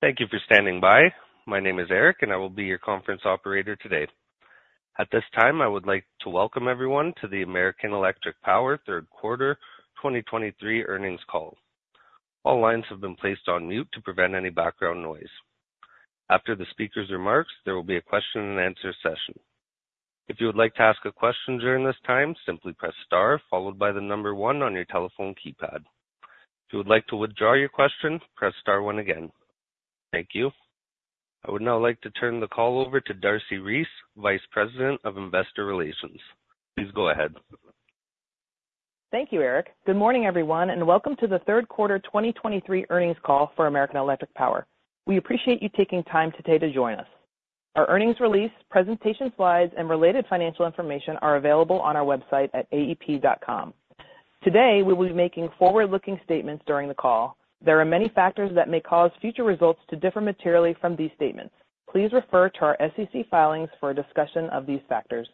Thank you for standing by. My name is Eric, and I will be your conference operator today. At this time, I would like to welcome everyone to the American Electric Power Third Quarter 2023 Earnings Call. All lines have been placed on mute to prevent any background noise. After the speaker's remarks, there will be a question-and-answer session. If you would like to ask a question during this time, simply press Star, followed by the number 1 on your telephone keypad. If you would like to withdraw your question, press Star 1 again. Thank you. I would now like to turn the call over to Darcy Reese, Vice President of Investor Relations. Please go ahead. Thank you, Eric. Good morning, everyone, and welcome to the third quarter 2023 earnings call for American Electric Power. We appreciate you taking time today to join us. Our earnings release, presentation slides, and related financial information are available on our website at aep.com. Today, we will be making forward-looking statements during the call. There are many factors that may cause future results to differ materially from these statements. Please refer to our SEC filings for a discussion of these factors.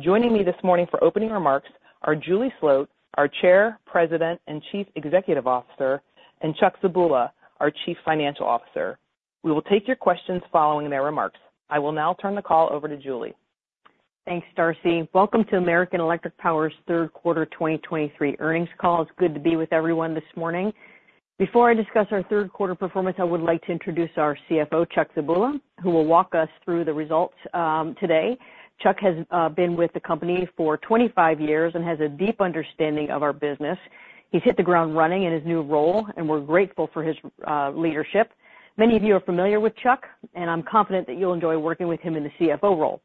Joining me this morning for opening remarks are Julie Sloat, our Chair, President, and Chief Executive Officer, and Chuck Zebula, our Chief Financial Officer. We will take your questions following their remarks. I will now turn the call over to Julie. Thanks, Darcy. Welcome to American Electric Power's third quarter 2023 earnings call. It's good to be with everyone this morning. Before I discuss our third quarter performance, I would like to introduce our CFO, Chuck Zebula, who will walk us through the results, today. Chuck has been with the company for 25 years and has a deep understanding of our business. He's hit the ground running in his new role, and we're grateful for his leadership. Many of you are familiar with Chuck, and I'm confident that you'll enjoy working with him in the CFO role.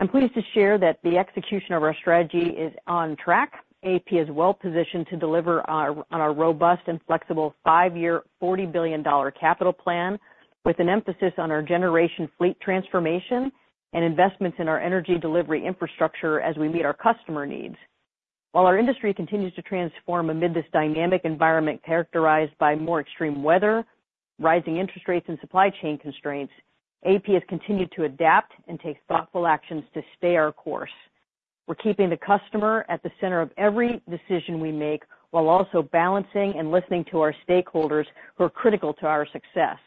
I'm pleased to share that the execution of our strategy is on track. AEP is well positioned to deliver on our robust and flexible five-year, $40 billion capital plan, with an emphasis on our generation fleet transformation and investments in our energy delivery infrastructure as we meet our customer needs. While our industry continues to transform amid this dynamic environment, characterized by more extreme weather, rising interest rates, and supply chain constraints, AEP has continued to adapt and take thoughtful actions to stay our course. We're keeping the customer at the center of every decision we make, while also balancing and listening to our stakeholders who are critical to our success.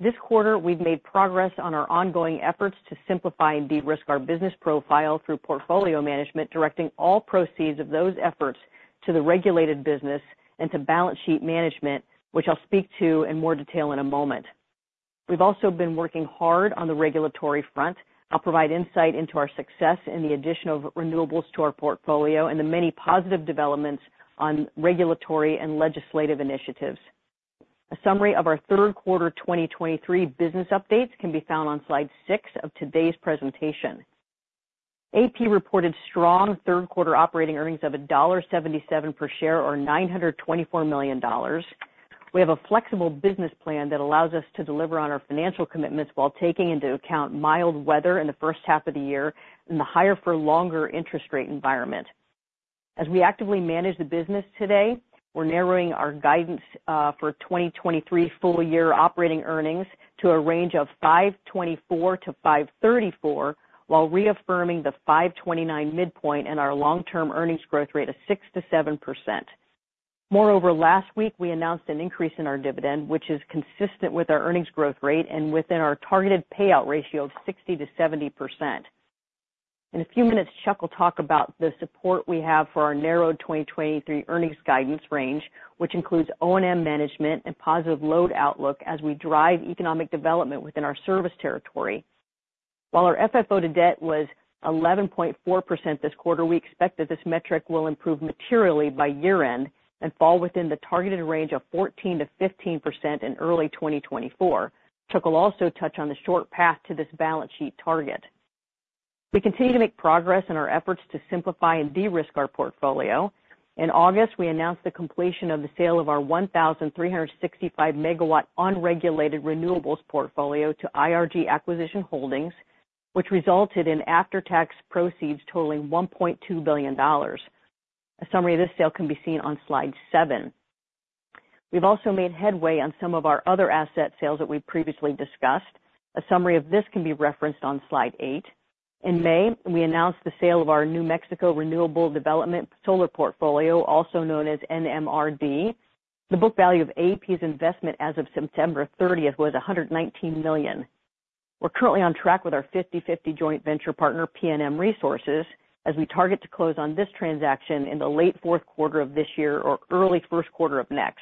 This quarter, we've made progress on our ongoing efforts to simplify and de-risk our business profile through portfolio management, directing all proceeds of those efforts to the regulated business and to balance sheet management, which I'll speak to in more detail in a moment. We've also been working hard on the regulatory front. I'll provide insight into our success in the addition of renewables to our portfolio and the many positive developments on regulatory and legislative initiatives. A summary of our third quarter 2023 business updates can be found on slide 6 of today's presentation. AEP reported strong third-quarter operating earnings of $1.77 per share, or $924 million. We have a flexible business plan that allows us to deliver on our financial commitments, while taking into account mild weather in the first half of the year and the higher for longer interest rate environment. As we actively manage the business today, we're narrowing our guidance for 2023 full-year operating earnings to a range of $5.24–$5.34, while reaffirming the $5.29 midpoint and our long-term earnings growth rate of 6%–7%. Moreover, last week, we announced an increase in our dividend, which is consistent with our earnings growth rate and within our targeted payout ratio of 60%–70%. In a few minutes, Chuck will talk about the support we have for our narrowed 2023 earnings guidance range, which includes O&M management and positive load outlook as we drive economic development within our service territory. While our FFO to debt was 11.4% this quarter, we expect that this metric will improve materially by year-end and fall within the targeted range of 14%–15% in early 2024. Chuck will also touch on the short path to this balance sheet target. We continue to make progress in our efforts to simplify and de-risk our portfolio. In August, we announced the completion of the sale of our 1,365-MW unregulated renewables portfolio to IRG Acquisition Holdings, which resulted in after-tax proceeds totaling $1.2 billion. A summary of this sale can be seen on slide 7. We've also made headway on some of our other asset sales that we've previously discussed. A summary of this can be referenced on slide 8. In May, we announced the sale of our New Mexico Renewable Development solar portfolio, also known as NMRD. The book value of AEP's investment as of September 30 was $119 million. We're currently on track with our 50/50 joint venture partner, PNM Resources, as we target to close on this transaction in the late fourth quarter of this year or early first quarter of next.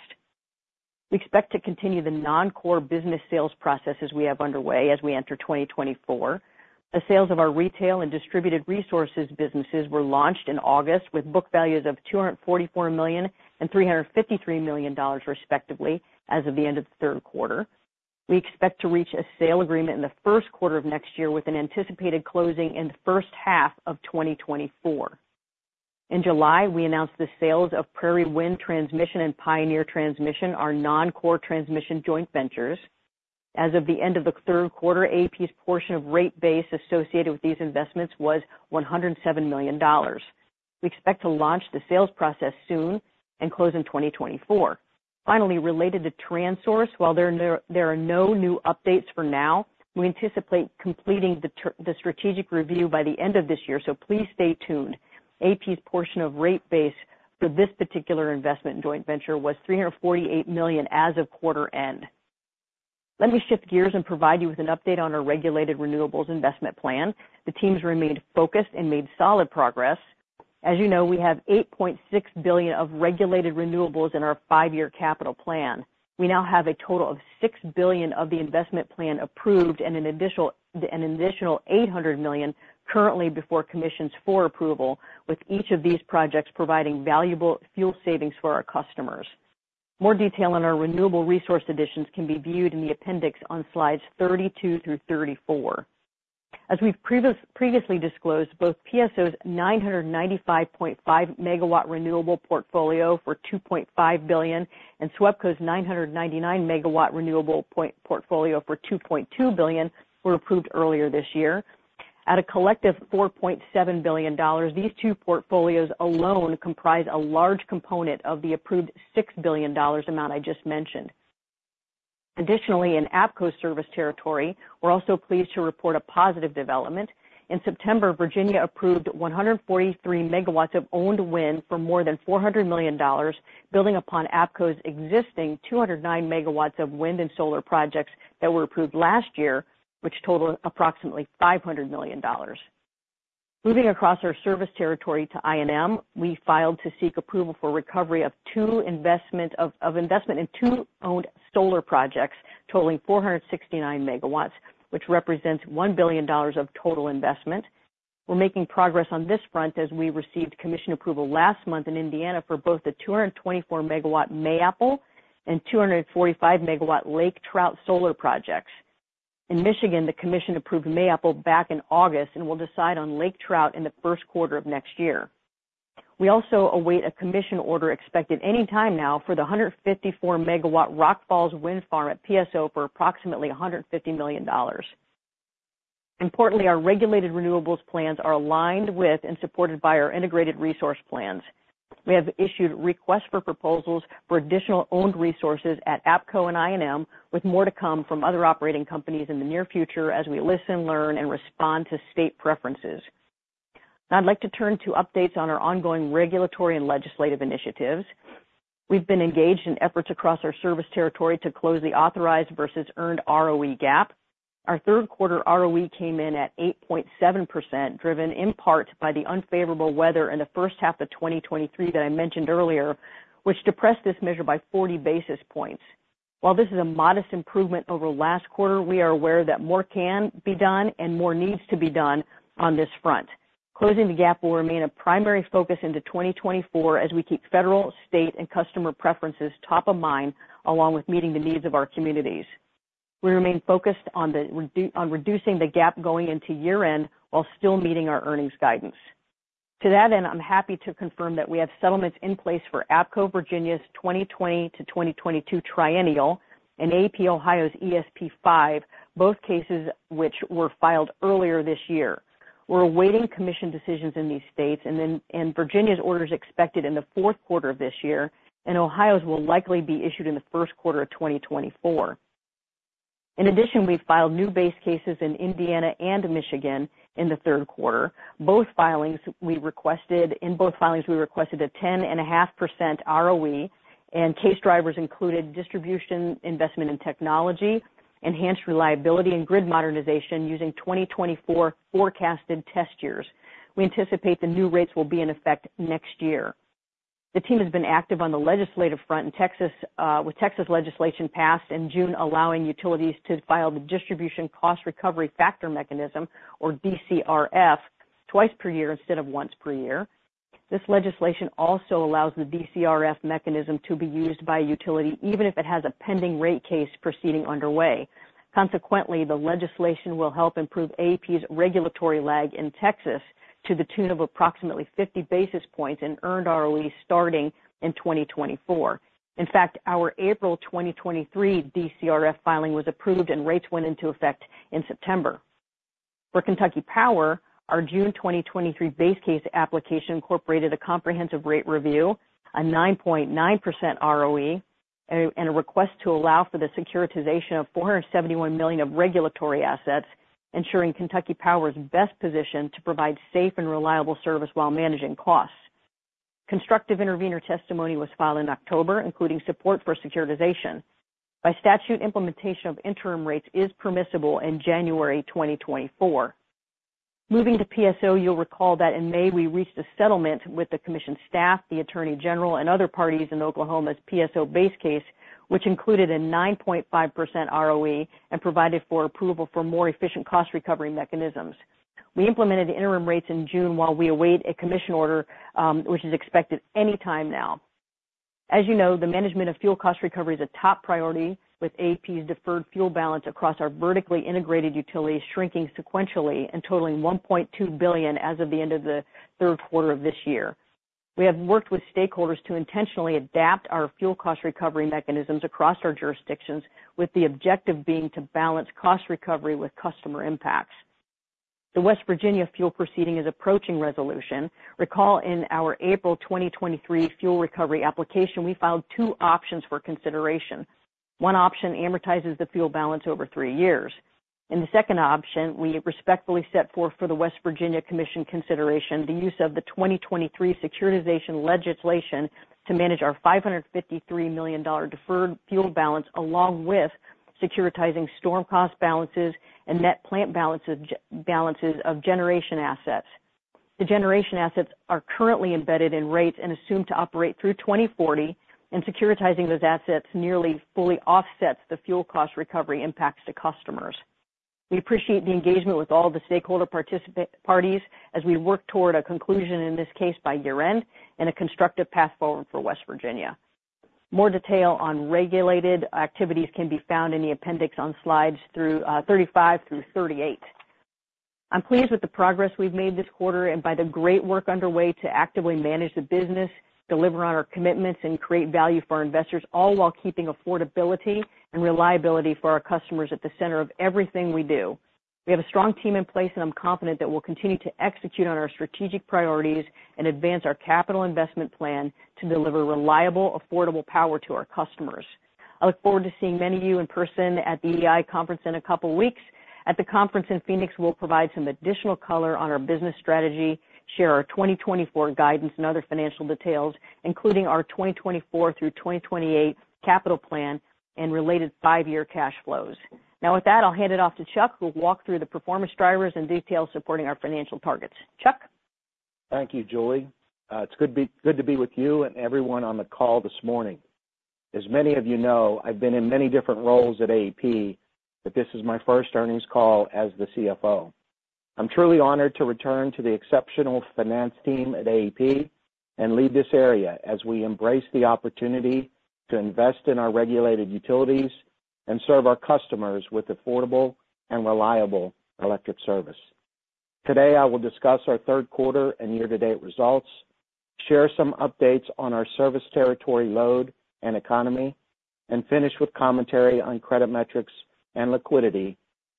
We expect to continue the non-core business sales processes we have underway as we enter 2024. The sales of our retail and distributed resources businesses were launched in August, with book values of $244 million and $353 million, respectively, as of the end of the third quarter. We expect to reach a sale agreement in the first quarter of next year, with an anticipated closing in the first half of 2024. In July, we announced the sales of Prairie Wind Transmission and Pioneer Transmission, our non-core transmission joint ventures. As of the end of the third quarter, AEP's portion of rate base associated with these investments was $107 million. We expect to launch the sales process soon and close in 2024. Finally, related to Transource, while there are no new updates for now, we anticipate completing the strategic review by the end of this year, so please stay tuned. AEP's portion of rate base for this particular investment in joint venture was $348 million as of quarter end. Let me shift gears and provide you with an update on our regulated renewables investment plan. The teams remained focused and made solid progress. As you know, we have $8.6 billion of regulated renewables in our five-year capital plan. We now have a total of $6 billion of the investment plan approved and an additional $800 million currently before commissions for approval, with each of these projects providing valuable fuel savings for our customers. More detail on our renewable resource additions can be viewed in the appendix on slides 32 through 34. As we've previously disclosed, both PSO's 995.5-megawatt renewable portfolio for $2.5 billion, and SWEPCO's 999-megawatt renewable portfolio for $2.2 billion, were approved earlier this year. At a collective $4.7 billion, these two portfolios alone comprise a large component of the approved $6 billion amount I just mentioned. Additionally, in APCo's service territory, we're also pleased to report a positive development. In September, Virginia approved 143 MW of owned wind for more than $400 million, building upon APCo's existing 209 MW of wind and solar projects that were approved last year, which total approximately $500 million. Moving across our service territory to I&M, we filed to seek approval for recovery of investment in two owned solar projects totaling 469 MW, which represents $1 billion of total investment. We're making progress on this front as we received commission approval last month in Indiana for both the 224-MW Mayapple and 245-MW Lake Trout solar projects. In Michigan, the commission approved Mayapple back in August and will decide on Lake Trout in the first quarter of next year. We also await a commission order, expected any time now, for the 154-megawatt Rock Falls Wind Farm at PSO for approximately $150 million. Importantly, our regulated renewables plans are aligned with and supported by our integrated resource plans. We have issued requests for proposals for additional owned resources at APCo and I&M, with more to come from other operating companies in the near future as we listen, learn, and respond to state preferences. Now I'd like to turn to updates on our ongoing regulatory and legislative initiatives. We've been engaged in efforts across our service territory to close the authorized versus earned ROE gap. Our third quarter ROE came in at 8.7%, driven in part by the unfavorable weather in the first half of 2023 that I mentioned earlier, which depressed this measure by 40 basis points. While this is a modest improvement over last quarter, we are aware that more can be done and more needs to be done on this front. Closing the gap will remain a primary focus into 2024 as we keep federal, state, and customer preferences top of mind, along with meeting the needs of our communities. We remain focused on reducing the gap going into year-end, while still meeting our earnings guidance. To that end, I'm happy to confirm that we have settlements in place for APCo Virginia's 2020 to 2022 triennial and AEP Ohio's ESP five, both cases which were filed earlier this year. We're awaiting commission decisions in these states, and Virginia's order is expected in the fourth quarter of this year, and Ohio's will likely be issued in the first quarter of 2024. In addition, we've filed new base cases in Indiana and Michigan in the third quarter. Both filings we requested, in both filings, we requested a 10.5% ROE, and case drivers included distribution, investment in technology, enhanced reliability, and grid modernization using 2024 forecasted test years. We anticipate the new rates will be in effect next year. The team has been active on the legislative front in Texas, with Texas legislation passed in June, allowing utilities to file the distribution cost recovery factor mechanism, or DCRF, twice per year instead of once per year. This legislation also allows the DCRF mechanism to be used by a utility, even if it has a pending rate case proceeding underway. Consequently, the legislation will help improve AEP's regulatory lag in Texas to the tune of approximately 50 basis points in earned ROE starting in 2024. In fact, our April 2023 DCRF filing was approved, and rates went into effect in September. For Kentucky Power, our June 2023 base case application incorporated a comprehensive rate review, a 9.9% ROE, and a request to allow for the securitization of $471 million of regulatory assets, ensuring Kentucky Power is best positioned to provide safe and reliable service while managing costs. Constructive intervener testimony was filed in October, including support for securitization. By statute, implementation of interim rates is permissible in January 2024. Moving to PSO, you'll recall that in May, we reached a settlement with the commission staff, the attorney general, and other parties in Oklahoma's PSO base case, which included a 9.5% ROE and provided for approval for more efficient cost recovery mechanisms. We implemented the interim rates in June while we await a commission order, which is expected any time now. As you know, the management of fuel cost recovery is a top priority, with AEP's deferred fuel balance across our vertically integrated utilities shrinking sequentially and totaling $1.2 billion as of the end of the third quarter of this year. We have worked with stakeholders to intentionally adapt our fuel cost recovery mechanisms across our jurisdictions, with the objective being to balance cost recovery with customer impacts. The West Virginia fuel proceeding is approaching resolution. Recall, in our April 2023 fuel recovery application, we filed two options for consideration. One option amortizes the fuel balance over three years.... In the second option, we respectfully set forth for the West Virginia Commission consideration, the use of the 2023 securitization legislation to manage our $553 million deferred fuel balance, along with securitizing storm cost balances and net plant balances, balances of generation assets. The generation assets are currently embedded in rates and assumed to operate through 2040, and securitizing those assets nearly fully offsets the fuel cost recovery impacts to customers. We appreciate the engagement with all the stakeholder parties as we work toward a conclusion in this case by year-end, and a constructive path forward for West Virginia. More detail on regulated activities can be found in the appendix on slides 35 through 38. I'm pleased with the progress we've made this quarter and by the great work underway to actively manage the business, deliver on our commitments, and create value for our investors, all while keeping affordability and reliability for our customers at the center of everything we do. We have a strong team in place, and I'm confident that we'll continue to execute on our strategic priorities and advance our capital investment plan to deliver reliable, affordable power to our customers. I look forward to seeing many of you in person at the EEI conference in a couple of weeks. At the conference in Phoenix, we'll provide some additional color on our business strategy, share our 2024 guidance and other financial details, including our 2024 through 2028 capital plan and related five-year cash flows. Now, with that, I'll hand it off to Chuck, who'll walk through the performance drivers and details supporting our financial targets. Chuck? Thank you, Julie. It's good to be with you and everyone on the call this morning. As many of you know, I've been in many different roles at AEP, but this is my first earnings call as the CFO. I'm truly honored to return to the exceptional finance team at AEP and lead this area, as we embrace the opportunity to invest in our regulated utilities and serve our customers with affordable and reliable electric service. Today, I will discuss our third quarter and year-to-date results, share some updates on our service territory, load, and economy, and finish with commentary on credit metrics and liquidity,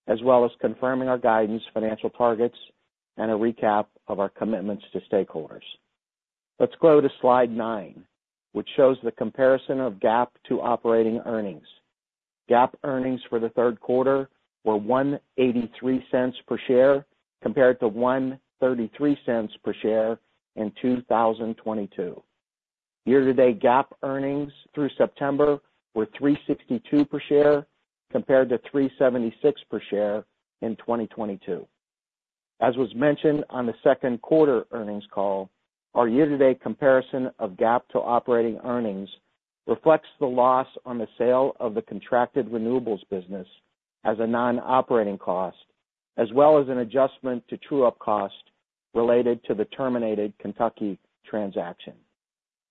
as well as confirming our guidance, financial targets, and a recap of our commitments to stakeholders. Let's go to slide nine, which shows the comparison of GAAP to operating earnings. GAAP earnings for the third quarter were $1.83 per share, compared to $1.33 per share in 2022. Year-to-date GAAP earnings through September were $3.62 per share, compared to $3.76 per share in 2022. As was mentioned on the second quarter earnings call, our year-to-date comparison of GAAP to operating earnings reflects the loss on the sale of the contracted renewables business as a non-operating cost, as well as an adjustment to true-up cost related to the terminated Kentucky transaction.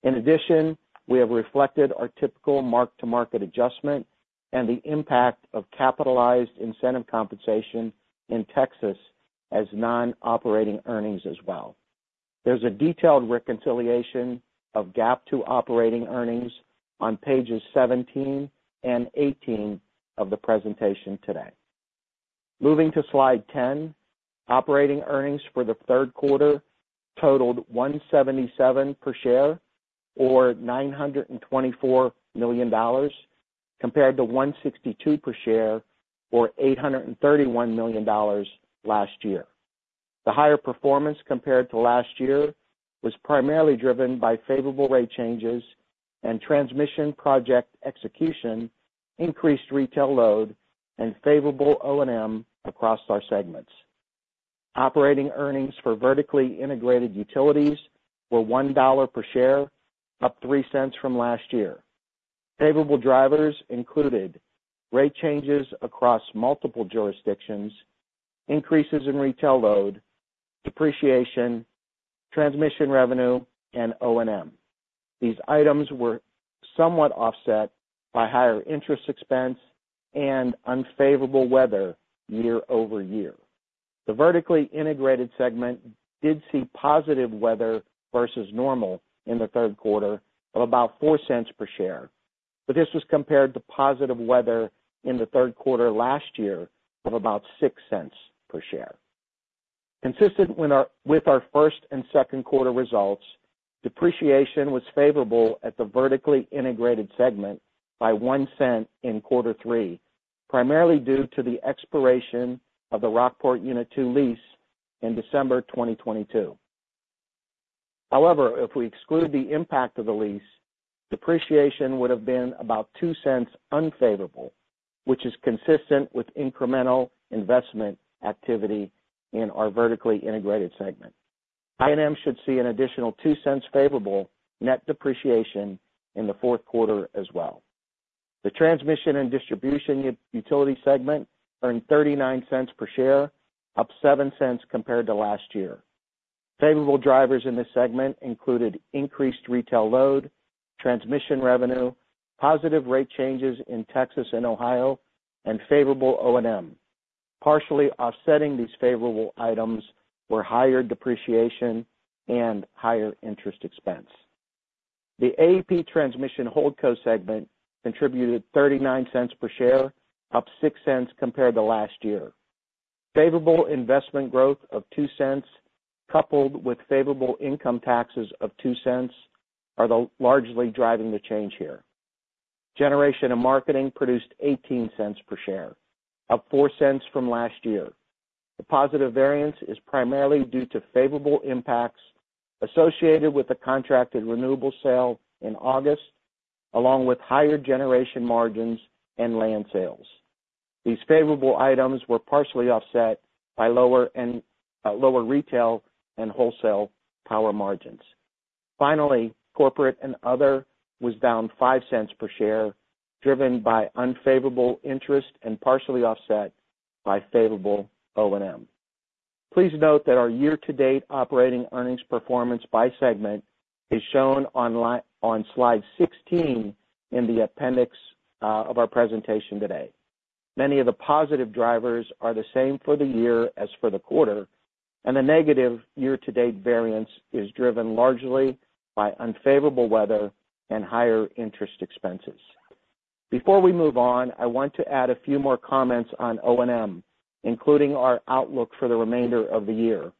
In addition, we have reflected our typical mark-to-market adjustment and the impact of capitalized incentive compensation in Texas as non-operating earnings as well. There's a detailed reconciliation of GAAP to operating earnings on pages 17 and 18 of the presentation today. Moving to slide 10, operating earnings for the third quarter totaled $1.77 per share, or $924 million, compared to $1.62 per share, or $831 million last year. The higher performance compared to last year was primarily driven by favorable rate changes and transmission project execution, increased retail load, and favorable O&M across our segments. Operating earnings for vertically integrated utilities were $1 per share, up $0.03 from last year. Favorable drivers included rate changes across multiple jurisdictions, increases in retail load, depreciation, transmission revenue, and O&M. These items were somewhat offset by higher interest expense and unfavorable weather year-over-year. The vertically integrated segment did see positive weather versus normal in the third quarter of about $0.04 per share, but this was compared to positive weather in the third quarter last year of about $0.06 per share. Consistent with our first and second quarter results, depreciation was favorable at the vertically integrated segment by $0.01 in quarter three, primarily due to the expiration of the Rockport Unit 2 lease in December 2022. However, if we exclude the impact of the lease, depreciation would have been about $0.02 unfavorable, which is consistent with incremental investment activity in our vertically integrated segment. I&M should see an additional $0.02 favorable net depreciation in the fourth quarter as well. The transmission and distribution utility segment earned $0.39 per share, up $0.07 compared to last year. Favorable drivers in this segment included increased retail load, transmission revenue, positive rate changes in Texas and Ohio, and favorable O&M. Partially offsetting these favorable items were higher depreciation and higher interest expense. The AEP Transmission Holdco segment contributed $0.39 per share, up $0.06 compared to last year. Favorable investment growth of $0.02, coupled with favorable income taxes of $0.02, are the largely driving the change here. Generation and marketing produced $0.18 per share, up $0.04 from last year. The positive variance is primarily due to favorable impacts associated with the contracted renewable sale in August, along with higher generation margins and land sales. These favorable items were partially offset by lower and lower retail and wholesale power margins. Finally, corporate and other was down $0.05 per share, driven by unfavorable interest and partially offset by favorable O&M. Please note that our year-to-date operating earnings performance by segment is shown online on slide 16 in the appendix of our presentation today. Many of the positive drivers are the same for the year as for the quarter, and the negative year-to-date variance is driven largely by unfavorable weather and higher interest expenses. Before we move on, I want to add a few more comments on O&M, including our outlook for the remainder of the year.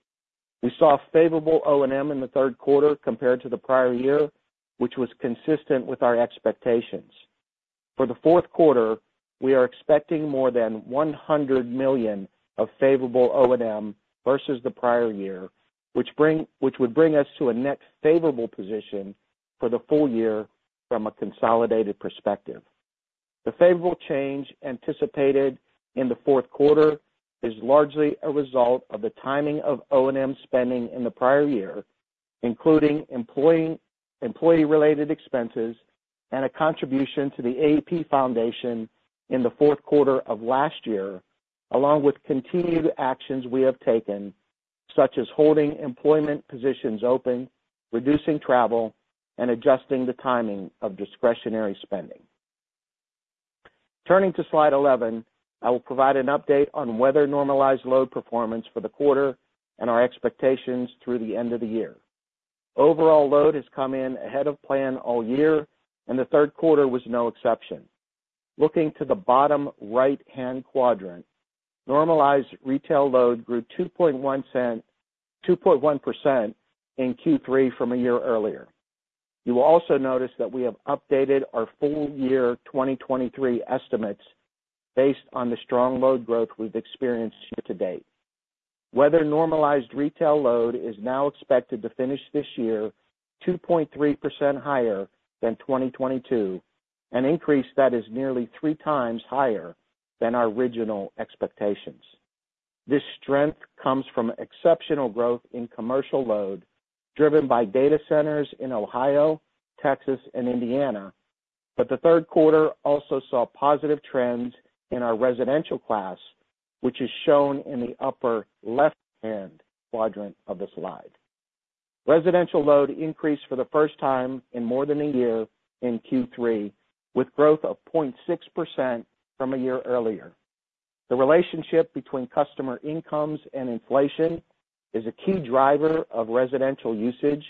We saw favorable O&M in the third quarter compared to the prior year, which was consistent with our expectations. For the fourth quarter, we are expecting more than $100 million of favorable O&M versus the prior year, which bring which would bring us to a net favorable position for the full year from a consolidated perspective. The favorable change anticipated in the fourth quarter is largely a result of the timing of O&M spending in the prior year, including employee, employee-related expenses and a contribution to the AEP Foundation in the fourth quarter of last year, along with continued actions we have taken, such as holding employment positions open, reducing travel, and adjusting the timing of discretionary spending. Turning to slide 11, I will provide an update on weather-normalized load performance for the quarter and our expectations through the end of the year. Overall load has come in ahead of plan all year, and the third quarter was no exception. Looking to the bottom right-hand quadrant, normalized retail load grew 2.1% in Q3 from a year earlier. You will also notice that we have updated our full year 2023 estimates based on the strong load growth we've experienced year to date. Weather-normalized retail load is now expected to finish this year 2.3% higher than 2022, an increase that is nearly three times higher than our original expectations. This strength comes from exceptional growth in commercial load, driven by data centers in Ohio, Texas, and Indiana. But the third quarter also saw positive trends in our residential class, which is shown in the upper left-hand quadrant of the slide. Residential load increased for the first time in more than a year in Q3, with growth of 0.6% from a year earlier. The relationship between customer incomes and inflation is a key driver of residential usage,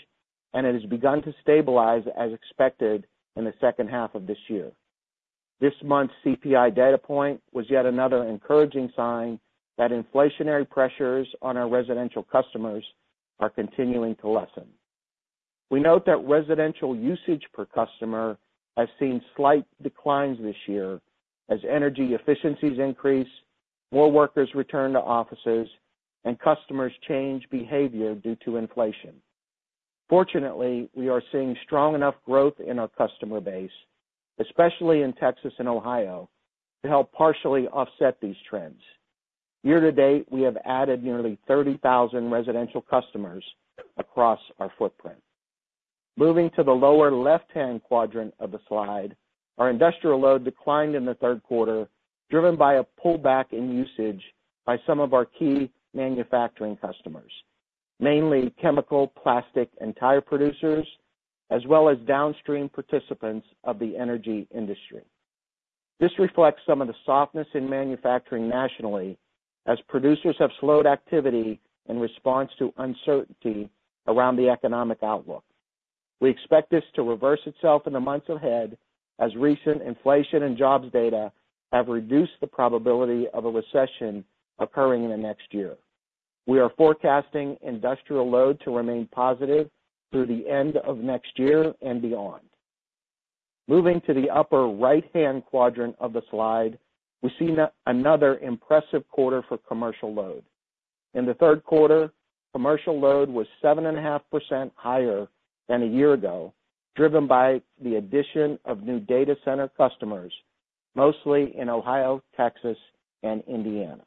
and it has begun to stabilize as expected in the second half of this year. This month's CPI data point was yet another encouraging sign that inflationary pressures on our residential customers are continuing to lessen. We note that residential usage per customer has seen slight declines this year as energy efficiencies increase, more workers return to offices, and customers change behavior due to inflation. Fortunately, we are seeing strong enough growth in our customer base, especially in Texas and Ohio, to help partially offset these trends. Year to date, we have added nearly 30,000 residential customers across our footprint. Moving to the lower left-hand quadrant of the slide, our industrial load declined in the third quarter, driven by a pullback in usage by some of our key manufacturing customers, mainly chemical, plastic, and tire producers, as well as downstream participants of the energy industry. This reflects some of the softness in manufacturing nationally, as producers have slowed activity in response to uncertainty around the economic outlook. We expect this to reverse itself in the months ahead, as recent inflation and jobs data have reduced the probability of a recession occurring in the next year. We are forecasting industrial load to remain positive through the end of next year and beyond. Moving to the upper right-hand quadrant of the slide, we've seen another impressive quarter for commercial load. In the third quarter, commercial load was 7.5% higher than a year ago, driven by the addition of new data center customers, mostly in Ohio, Texas, and Indiana.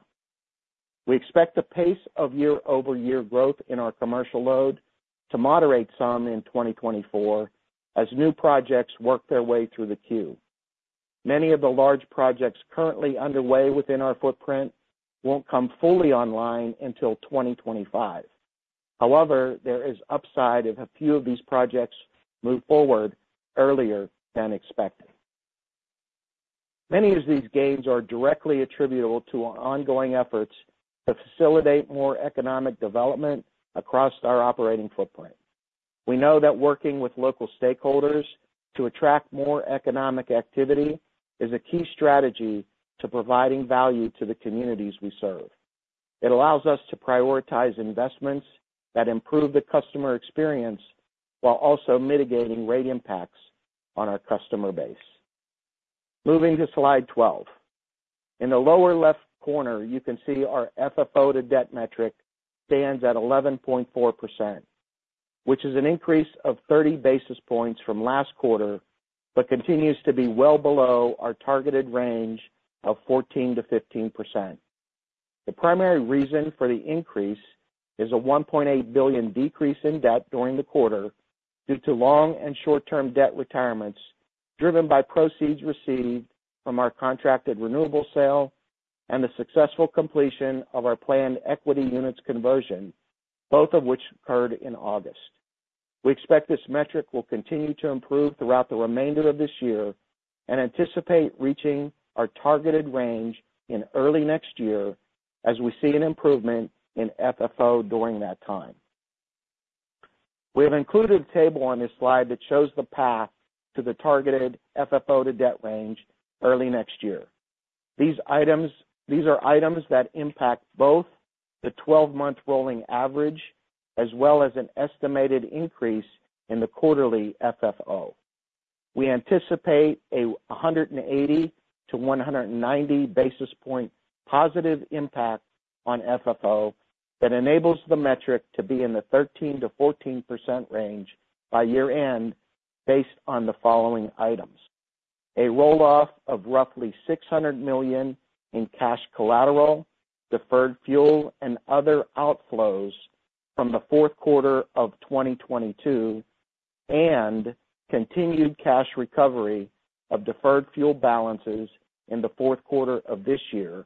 We expect the pace of year-over-year growth in our commercial load to moderate some in 2024 as new projects work their way through the queue. Many of the large projects currently underway within our footprint won't come fully online until 2025. However, there is upside if a few of these projects move forward earlier than expected. Many of these gains are directly attributable to our ongoing efforts to facilitate more economic development across our operating footprint. We know that working with local stakeholders to attract more economic activity is a key strategy to providing value to the communities we serve. It allows us to prioritize investments that improve the customer experience, while also mitigating rate impacts on our customer base. Moving to slide 12. In the lower left corner, you can see our FFO to debt metric stands at 11.4%, which is an increase of 30 basis points from last quarter, but continues to be well below our targeted range of 14%–15%. The primary reason for the increase is a $1.8 billion decrease in debt during the quarter due to long- and short-term debt retirements, driven by proceeds received from our contracted renewable sale and the successful completion of our planned equity units conversion, both of which occurred in August. We expect this metric will continue to improve throughout the remainder of this year and anticipate reaching our targeted range in early next year as we see an improvement in FFO during that time. We have included a table on this slide that shows the path to the targeted FFO to debt range early next year. These items, these are items that impact both the 12-month rolling average as well as an estimated increase in the quarterly FFO. We anticipate 180–190 basis points positive impact on FFO that enables the metric to be in the 13%–14% range by year-end, based on the following items: a roll-off of roughly $600 million in cash collateral, deferred fuel, and other outflows from the fourth quarter of 2022, and continued cash recovery of deferred fuel balances in the fourth quarter of this year.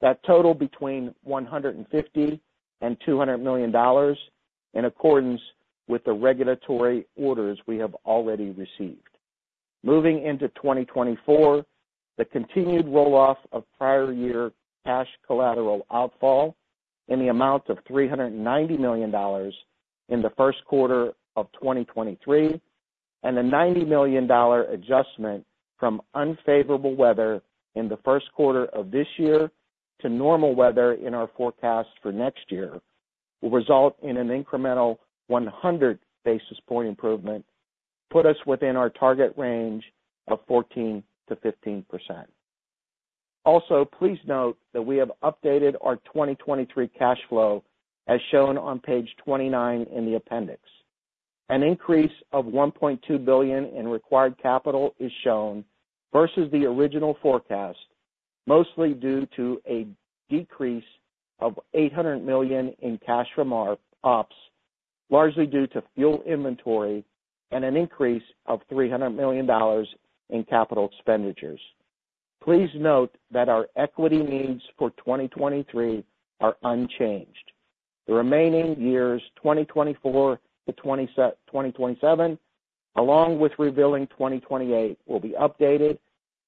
That total between $150 million–$200 million and accordance with the regulatory orders we have already received. Moving into 2024, the continued roll-off of prior year cash collateral outfall in the amount of $390 million in the first quarter of 2023, and a $90 million adjustment from unfavorable weather in the first quarter of this year to normal weather in our forecast for next year, will result in an incremental 100 basis point improvement, put us within our target range of 14%–15%. Also, please note that we have updated our 2023 cash flow, as shown on page 29 in the appendix. An increase of $1.2 billion in required capital is shown versus the original forecast, mostly due to a decrease of $800 million in cash from our ops, largely due to fuel inventory and an increase of $300 million in capital expenditures. Please note that our equity needs for 2023 are unchanged. The remaining years, 2024–2027, along with revealing 2028, will be updated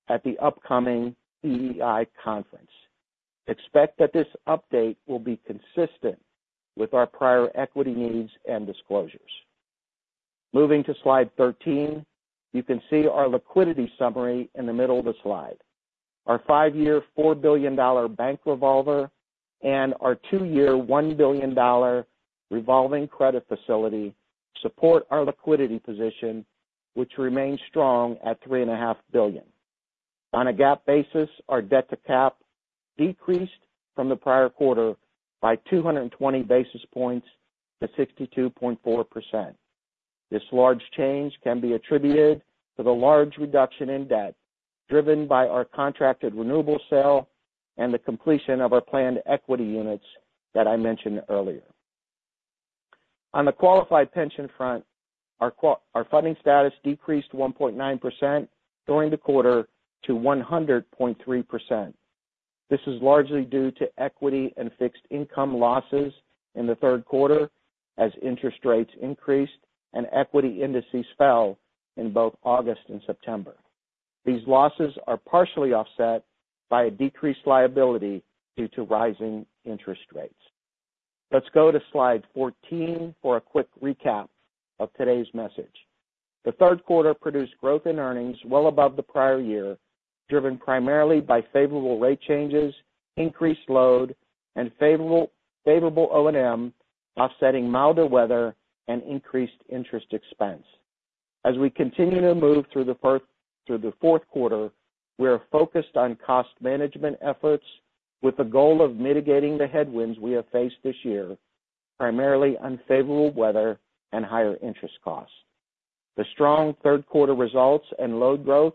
at the upcoming EEI conference. Expect that this update will be consistent with our prior equity needs and disclosures. Moving to slide 13, you can see our liquidity summary in the middle of the slide. Our 5-year, $4 billion bank revolver and our 2-year, $1 billion revolving credit facility support our liquidity position, which remains strong at $3.5 billion. On a GAAP basis, our debt to cap decreased from the prior quarter by 220 basis points to 62.4%. This large change can be attributed to the large reduction in debt, driven by our contracted renewable sale and the completion of our planned equity units that I mentioned earlier. On the qualified pension front, our funding status decreased 1.9% during the quarter to 100.3%. This is largely due to equity and fixed income losses in the third quarter, as interest rates increased and equity indices fell in both August and September. These losses are partially offset by a decreased liability due to rising interest rates. Let's go to slide 14 for a quick recap of today's message. The third quarter produced growth in earnings well above the prior year, driven primarily by favorable rate changes, increased load, and favorable, favorable O&M, offsetting milder weather and increased interest expense. As we continue to move through the fourth quarter, we are focused on cost management efforts with the goal of mitigating the headwinds we have faced this year, primarily unfavorable weather and higher interest costs. The strong third quarter results and load growth,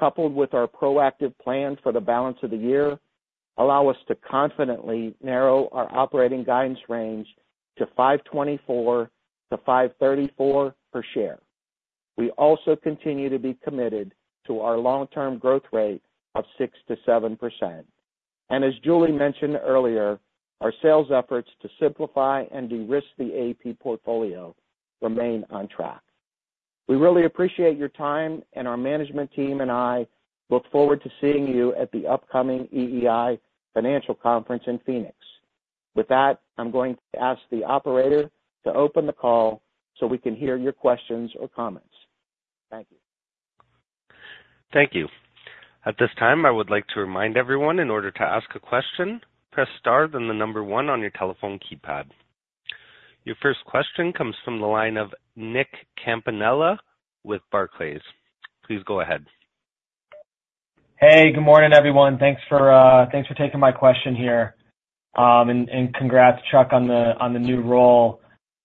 coupled with our proactive plan for the balance of the year, allow us to confidently narrow our operating guidance range to $5.24–$5.34 per share. We also continue to be committed to our long-term growth rate of 6%–7%. And as Julie mentioned earlier, our sales efforts to simplify and de-risk the AEP portfolio remain on track. We really appreciate your time, and our management team and I look forward to seeing you at the upcoming EEI Financial Conference in Phoenix. With that, I'm going to ask the operator to open the call so we can hear your questions or comments. Thank you. Thank you. At this time, I would like to remind everyone, in order to ask a question, press star, then the number one on your telephone keypad. Your first question comes from the line of Nick Campanella with Barclays. Please go ahead. Hey, good morning, everyone. Thanks for taking my question here. And congrats, Chuck, on the new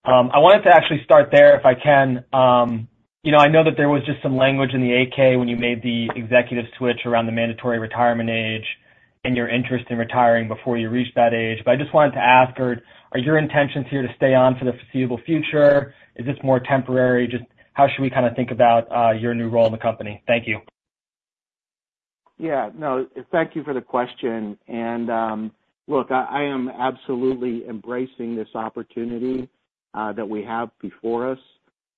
role. I wanted to actually start there if I can. You know, I know that there was just some language in the AK when you made the executive switch around the mandatory retirement age and your interest in retiring before you reached that age. But I just wanted to ask, are your intentions here to stay on for the foreseeable future? Is this more temporary? Just how should we kind of think about your new role in the company? Thank you. Yeah, no, thank you for the question. And, look, I am absolutely embracing this opportunity that we have before us.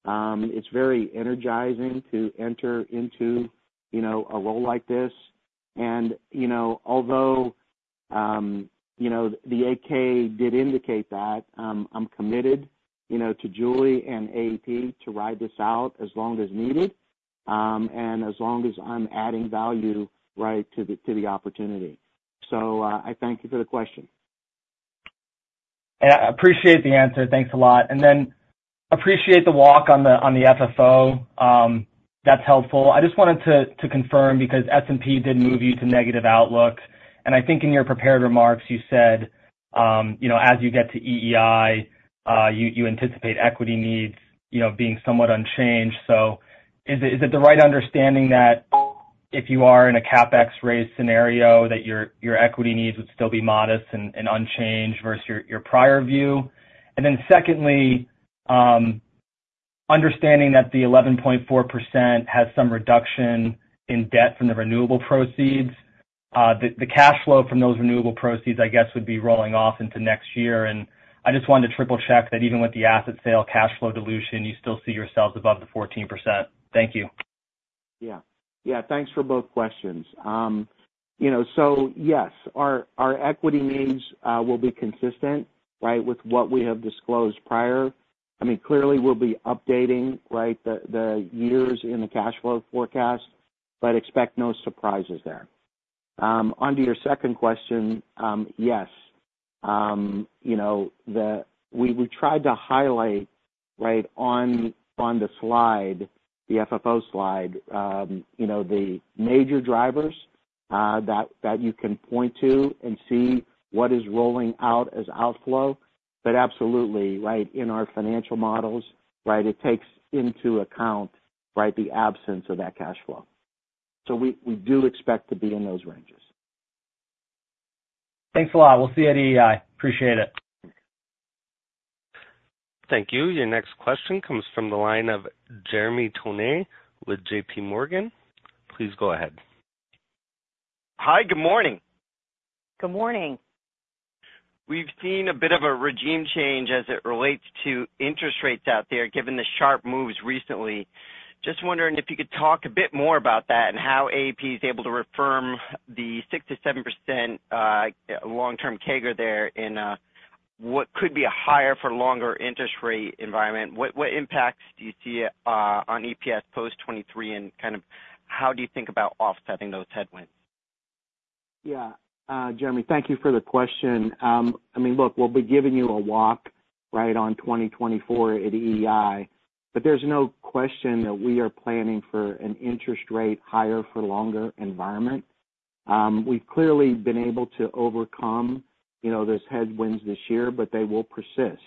It's very energizing to enter into, you know, a role like this. And, you know, although, you know, Nick did indicate that I'm committed, you know, to Julie and AEP to ride this out as long as needed, and as long as I'm adding value, right, to the opportunity. So, I thank you for the question. Yeah, I appreciate the answer. Thanks a lot. And then appreciate the walk on the, on the FFO. That's helpful. I just wanted to, to confirm, because S&P did move you to negative outlook, and I think in your prepared remarks, you said, you know, as you get to EEI, you, you anticipate equity needs, you know, being somewhat unchanged. So is it, is it the right understanding that if you are in a CapEx raise scenario, that your, your equity needs would still be modest and, and unchanged versus your, your prior view? And then secondly, understanding that the 11.4% has some reduction in debt from the renewable proceeds, the, the cash flow from those renewable proceeds, I guess, would be rolling off into next year. I just wanted to triple-check that even with the asset sale cash flow dilution, you still see yourselves above the 14%. Thank you. Yeah. Yeah, thanks for both questions. You know, so yes, our equity needs will be consistent, right, with what we have disclosed prior. I mean, clearly, we'll be updating, right, the years in the cash flow forecast, but expect no surprises there. Onto your second question, yes, you know, the... We tried to highlight, right, on the slide, the FFO slide, you know, the major drivers that you can point to and see what is rolling out as outflow. But absolutely, right, in our financial models, right, it takes into account, right, the absence of that cash flow. So we do expect to be in those ranges. Thanks a lot. We'll see you at EEI. Appreciate it. Thank you. Your next question comes from the line of Jeremy Tonet with J.P. Morgan. Please go ahead. Hi, good morning. Good morning. We've seen a bit of a regime change as it relates to interest rates out there, given the sharp moves recently. Just wondering if you could talk a bit more about that and how AEP is able to affirm the 6%–7% long-term CAGR there in what could be a higher for longer interest rate environment. What, what impacts do you see on EPS post 2023, and kind of how do you think about offsetting those headwinds? Yeah. Jeremy, thank you for the question. I mean, look, we'll be giving you a walk right on 2024 at EEI, but there's no question that we are planning for an interest rate higher for longer environment. We've clearly been able to overcome, you know, those headwinds this year, but they will persist.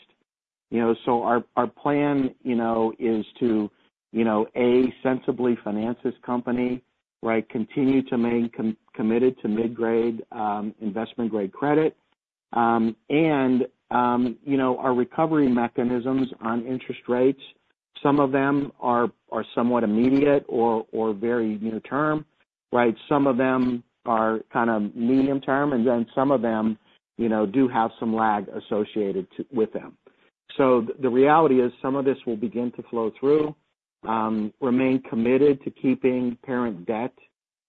You know, so our plan, you know, is to, you know, A, sensibly finance this company, right, continue to remain committed to mid-grade, investment-grade credit. And, you know, our recovery mechanisms on interest rates, some of them are somewhat immediate or very near term, right? Some of them are kind of medium term, and then some of them, you know, do have some lag associated to, with them. So the reality is some of this will begin to flow through, remain committed to keeping parent debt,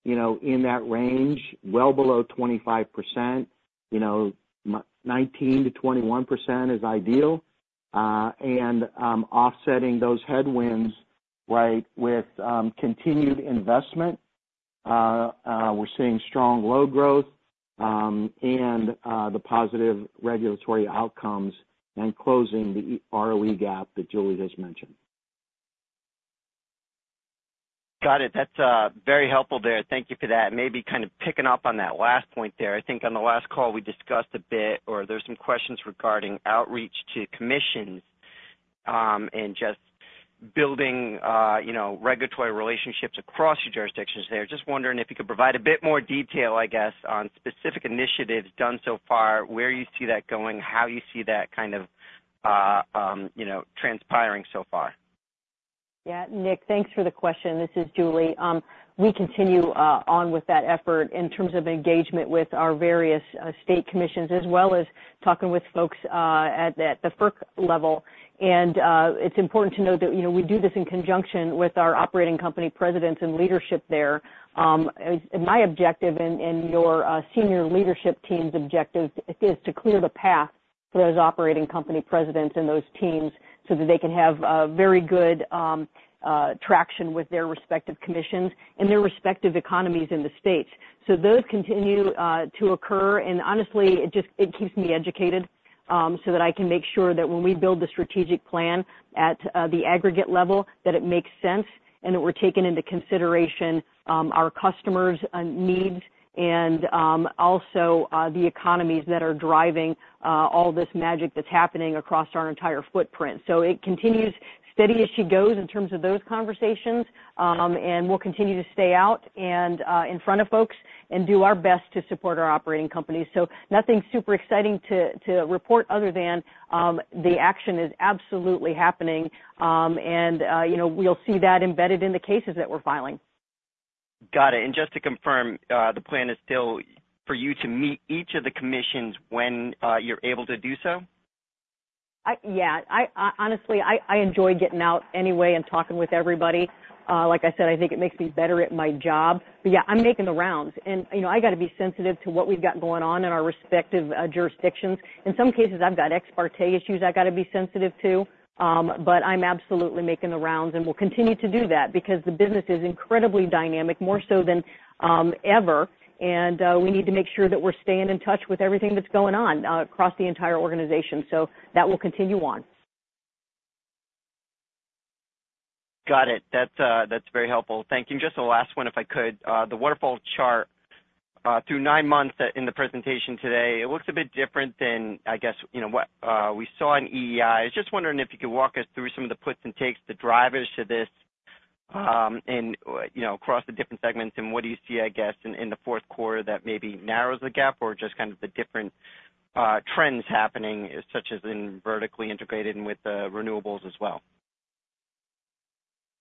you know, in that range, well below 25%, you know, 19%–21% is ideal, and offsetting those headwinds, right, with continued investment, we're seeing strong load growth, and the positive regulatory outcomes and closing the ROE gap that Julie just mentioned. Got it. That's very helpful there. Thank you for that. Maybe kind of picking up on that last point there. I think on the last call, we discussed a bit, or there's some questions regarding outreach to commissions, and just building, you know, regulatory relationships across your jurisdictions there. Just wondering if you could provide a bit more detail, I guess, on specific initiatives done so far, where you see that going, how you see that kind of, you know, transpiring so far?... Yeah, Nick, thanks for the question. This is Julie. We continue on with that effort in terms of engagement with our various state commissions, as well as talking with folks at the FERC level. And it's important to note that, you know, we do this in conjunction with our operating company presidents and leadership there. And my objective and your senior leadership team's objective is to clear the path for those operating company presidents and those teams so that they can have very good traction with their respective commissions and their respective economies in the states. So those continue to occur, and honestly, it just it keeps me educated, so that I can make sure that when we build the strategic plan at the aggregate level, that it makes sense, and that we're taking into consideration our customers' needs, and also the economies that are driving all this magic that's happening across our entire footprint. So it continues steady as she goes in terms of those conversations. And we'll continue to stay out and in front of folks and do our best to support our operating companies. So nothing super exciting to report other than the action is absolutely happening. And you know, we'll see that embedded in the cases that we're filing. Got it. Just to confirm, the plan is still for you to meet each of the commissions when you're able to do so? Yeah. I honestly enjoy getting out anyway and talking with everybody. Like I said, I think it makes me better at my job. But yeah, I'm making the rounds, and, you know, I got to be sensitive to what we've got going on in our respective jurisdictions. In some cases, I've got Ex Parte issues I've got to be sensitive to, but I'm absolutely making the rounds and will continue to do that because the business is incredibly dynamic, more so than ever. And we need to make sure that we're staying in touch with everything that's going on across the entire organization. So that will continue on. Got it. That's, that's very helpful. Thank you. Just the last one, if I could. The waterfall chart, through nine months in the presentation today, it looks a bit different than, I guess, you know, what, we saw in EEI. I was just wondering if you could walk us through some of the puts and takes, the drivers to this, and, you know, across the different segments, and what do you see, I guess, in, in the fourth quarter that maybe narrows the gap or just kind of the different, trends happening, such as in vertically integrated and with, renewables as well?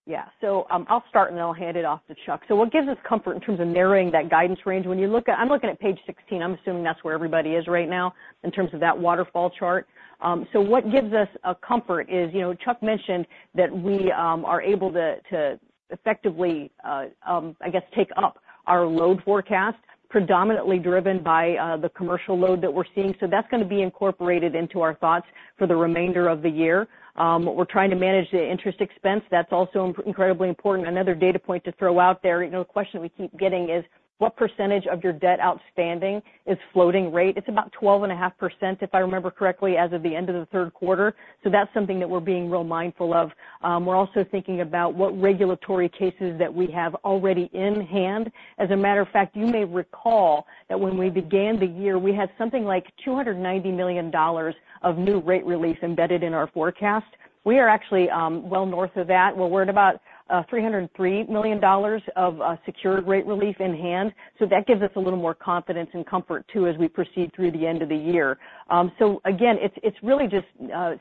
Yeah. So, I'll start, and then I'll hand it off to Chuck. So what gives us comfort in terms of narrowing that guidance range, when you look at—I'm looking at page 16, I'm assuming that's where everybody is right now in terms of that waterfall chart. So what gives us a comfort is, you know, Chuck mentioned that we are able to effectively, I guess, take up our load forecast, predominantly driven by the commercial load that we're seeing. So that's going to be incorporated into our thoughts for the remainder of the year. We're trying to manage the interest expense. That's also incredibly important. Another data point to throw out there, you know, a question we keep getting is: What percentage of your debt outstanding is floating rate? It's about 12.5%, if I remember correctly, as of the end of the third quarter. So that's something that we're being real mindful of. We're also thinking about what regulatory cases that we have already in hand. As a matter of fact, you may recall that when we began the year, we had something like $290 million of new rate relief embedded in our forecast. We are actually, well north of that. We're at about $303 million of secured rate relief in hand. So that gives us a little more confidence and comfort, too, as we proceed through the end of the year. So again, it's really just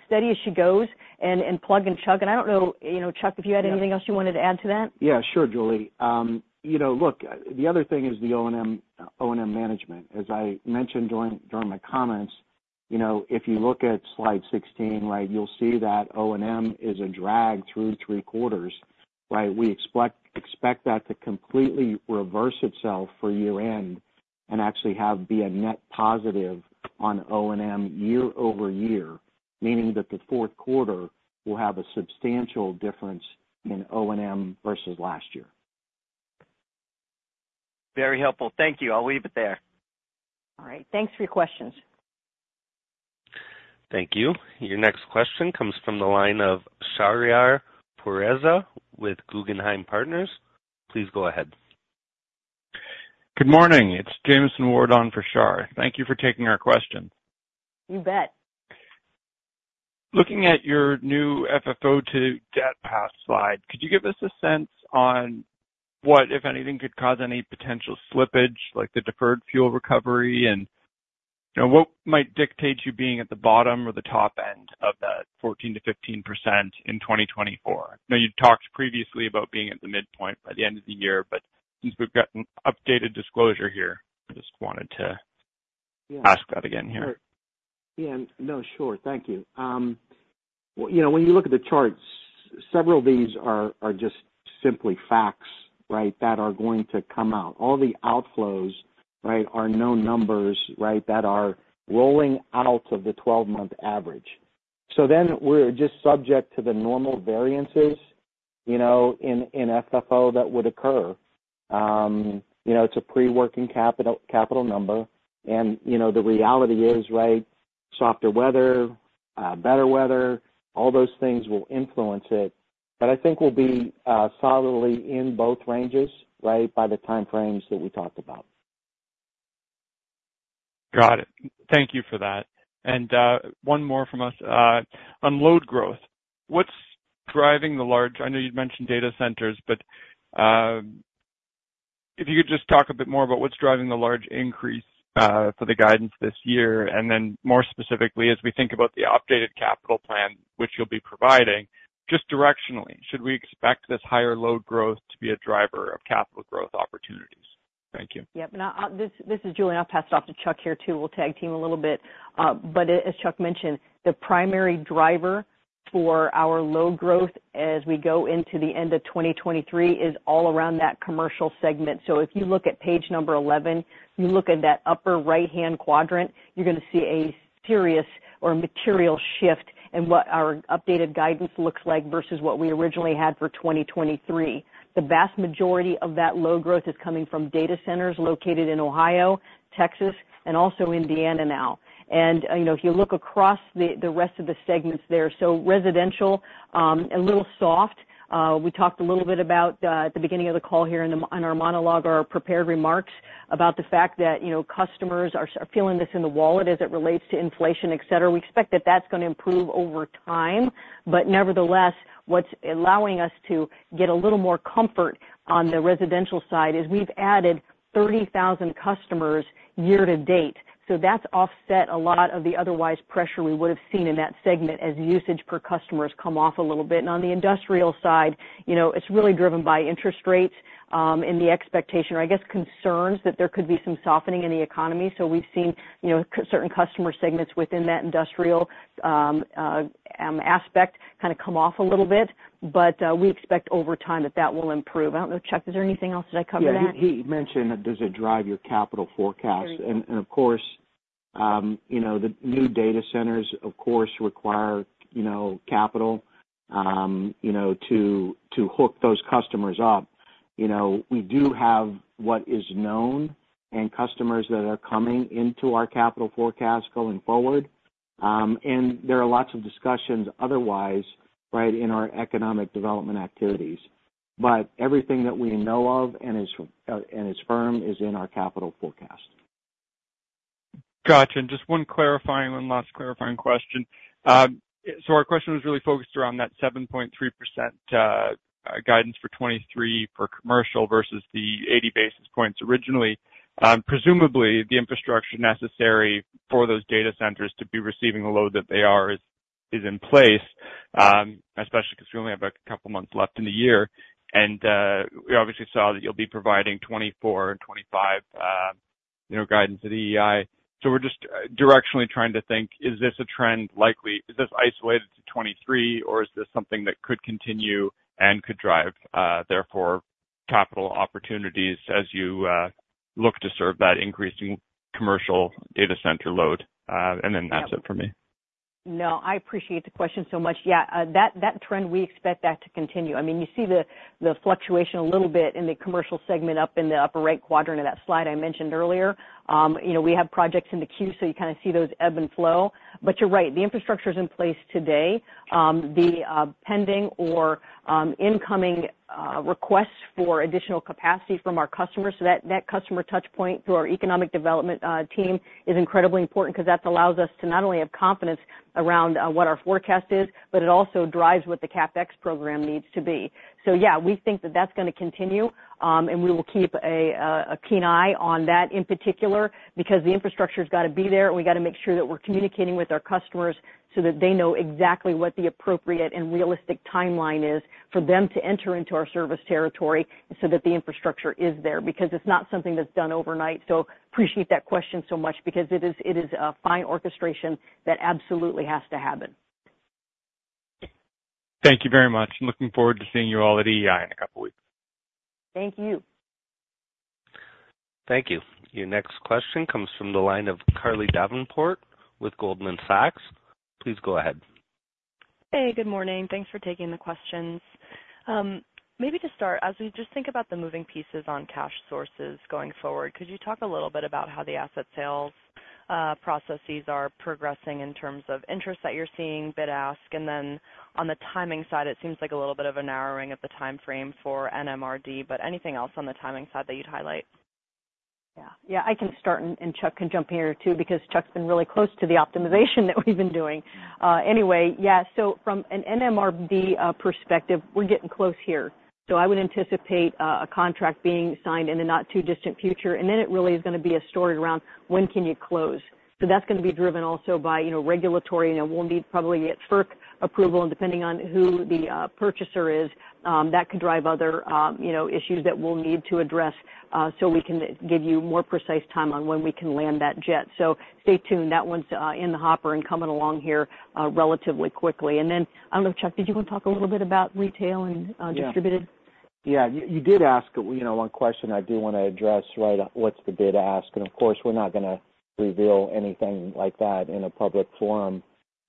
steady as she goes and plug and chug. I don't know, you know, Chuck, if you had anything else you wanted to add to that? Yeah, sure, Julie. You know, look, the other thing is the O&M management. As I mentioned during my comments, you know, if you look at slide 16, right, you'll see that O&M is a drag through three quarters, right? We expect that to completely reverse itself for year-end and actually have be a net positive on O&M year-over-year, meaning that the fourth quarter will have a substantial difference in O&M versus last year. Very helpful. Thank you. I'll leave it there. All right. Thanks for your questions. Thank you. Your next question comes from the line of Shahriar Pourreza with Guggenheim Partners. Please go ahead. Good morning. It's Jameson Ward on for Shahriar. Thank you for taking our question. You bet. Looking at your new FFO to debt path slide, could you give us a sense on what, if anything, could cause any potential slippage, like the deferred fuel recovery? And, you know, what might dictate you being at the bottom or the top end of that 14%–15% in 2024? I know you'd talked previously about being at the midpoint by the end of the year, but since we've got an updated disclosure here, I just wanted to Yeah. Ask that again here. Yeah. No, sure. Thank you. Well, you know, when you look at the charts, several of these are just simply facts, right, that are going to come out. All the outflows, right, are known numbers, right, that are rolling out of the 12-month average. So then we're just subject to the normal variances, you know, in FFO that would occur. You know, it's a pre-working capital, capital number, and, you know, the reality is, right, softer weather, better weather, all those things will influence it. But I think we'll be solidly in both ranges, right, by the time frames that we talked about. Got it. Thank you for that. And one more from us. On load growth, I know you'd mentioned data centers, but if you could just talk a bit more about what's driving the large increase for the guidance this year, and then more specifically, as we think about the updated capital plan, which you'll be providing, just directionally, should we expect this higher load growth to be a driver of capital growth opportunities? Thank you. Yep. And I, this is Julie. I'll pass it off to Chuck here, too. We'll tag team a little bit. But as Chuck mentioned, the primary driver for our load growth as we go into the end of 2023 is all around that commercial segment. So if you look at page 11, you look at that upper right-hand quadrant, you're going to see a serious or material shift in what our updated guidance looks like versus what we originally had for 2023. The vast majority of that load growth is coming from data centers located in Ohio, Texas, and also Indiana now. And, you know, if you look across the rest of the segments there, so residential, a little soft. We talked a little bit about at the beginning of the call here on our monologue or our prepared remarks about the fact that, you know, customers are feeling this in the wallet as it relates to inflation, et cetera. We expect that that's going to improve over time. But nevertheless, what's allowing us to get a little more comfort on the residential side is we've added 30,000 customers year to date, so that's offset a lot of the otherwise pressure we would have seen in that segment as usage per customer has come off a little bit. And on the industrial side, you know, it's really driven by interest rates and the expectation, or I guess, concerns that there could be some softening in the economy. So we've seen, you know, certain customer segments within that industrial aspect kind of come off a little bit, but we expect over time that that will improve. I don't know, Chuck, is there anything else that I covered there? Yeah. He mentioned, does it drive your capital forecast? There you go. Of course, you know, the new data centers, of course, require, you know, capital, you know, to hook those customers up. You know, we do have what is known and customers that are coming into our capital forecast going forward. And there are lots of discussions otherwise, right, in our economic development activities. But everything that we know of and is firm is in our capital forecast. Gotcha. And just one clarifying, one last clarifying question. So our question was really focused around that 7.3% guidance for 2023 for commercial versus the 80 basis points originally. Presumably, the infrastructure necessary for those data centers to be receiving the load that they are is in place, especially because we only have a couple months left in the year. And we obviously saw that you'll be providing 2024 and 2025, you know, guidance at the EEI. So we're just directionally trying to think, is this a trend likely, is this isolated to 2023, or is this something that could continue and could drive, therefore, capital opportunities as you look to serve that increasing commercial data center load? And then that's it for me. No, I appreciate the question so much. Yeah, that trend, we expect that to continue. I mean, you see the fluctuation a little bit in the commercial segment up in the upper right quadrant of that slide I mentioned earlier. You know, we have projects in the queue, so you kind of see those ebb and flow. But you're right, the infrastructure is in place today. The pending or incoming requests for additional capacity from our customers, so that customer touch point through our economic development team is incredibly important because that allows us to not only have confidence around what our forecast is, but it also drives what the CapEx program needs to be. So yeah, we think that that's going to continue, and we will keep a keen eye on that in particular, because the infrastructure's got to be there, and we got to make sure that we're communicating with our customers so that they know exactly what the appropriate and realistic timeline is for them to enter into our service territory so that the infrastructure is there. Because it's not something that's done overnight. So appreciate that question so much because it is, it is a fine orchestration that absolutely has to happen. Thank you very much. I'm looking forward to seeing you all at EEI in a couple weeks. Thank you. Thank you. Your next question comes from the line of Carly Davenport with Goldman Sachs. Please go ahead. Hey, good morning. Thanks for taking the questions. Maybe to start, as we just think about the moving pieces on cash sources going forward, could you talk a little bit about how the asset sales processes are progressing in terms of interest that you're seeing, bid/ask, and then on the timing side, it seems like a little bit of a narrowing of the timeframe for NMRD, but anything else on the timing side that you'd highlight? Yeah. Yeah, I can start, and Chuck can jump in here, too, because Chuck's been really close to the optimization that we've been doing. Anyway, yeah, so from an NMRD perspective, we're getting close here. So I would anticipate a contract being signed in the not-too-distant future, and then it really is going to be a story around when can you close? So that's going to be driven also by, you know, regulatory, and it will need probably its FERC approval, and depending on who the purchaser is, that could drive other, you know, issues that we'll need to address, so we can give you more precise timeline on when we can land that jet. So stay tuned. That one's in the hopper and coming along here relatively quickly. Then, I don't know, Chuck, did you want to talk a little bit about retail and distributed? Yeah. Yeah, you did ask, you know, one question I do want to address, right? What's the bid/ask? And of course, we're not going to reveal anything like that in a public forum.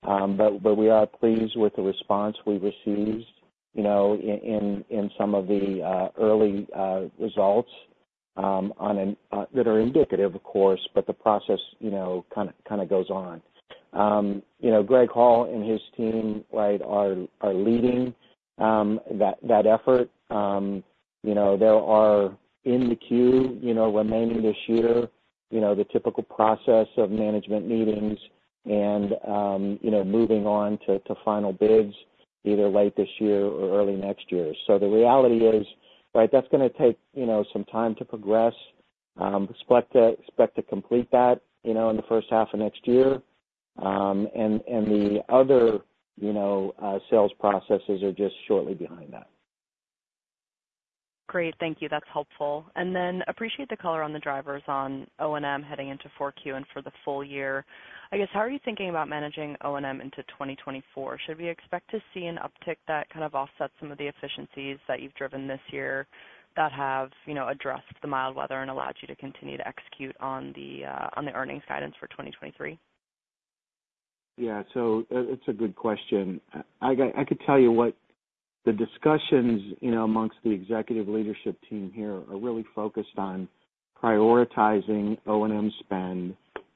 But we are pleased with the response we've received, you know, in some of the early results on that are indicative, of course, but the process, you know, kind of goes on. You know, Greg Hall and his team, right, are leading that effort. You know, there are in the queue, you know, remaining this year, you know, the typical process of management meetings and, you know, moving on to final bids either late this year or early next year. So the reality is, right, that's going to take, you know, some time to progress. Expect to complete that, you know, in the first half of next year. And the other, you know, sales processes are just shortly behind that. Great. Thank you. That's helpful. And then appreciate the color on the drivers on O&M heading into 4Q and for the full year. I guess, how are you thinking about managing O&M into 2024? Should we expect to see an uptick that kind of offsets some of the efficiencies that you've driven this year that have, you know, addressed the mild weather and allowed you to continue to execute on the, on the earnings guidance for 2023? Yeah. So it's a good question. I could tell you what the discussions, you know, amongst the executive leadership team here are really focused on prioritizing O&M spend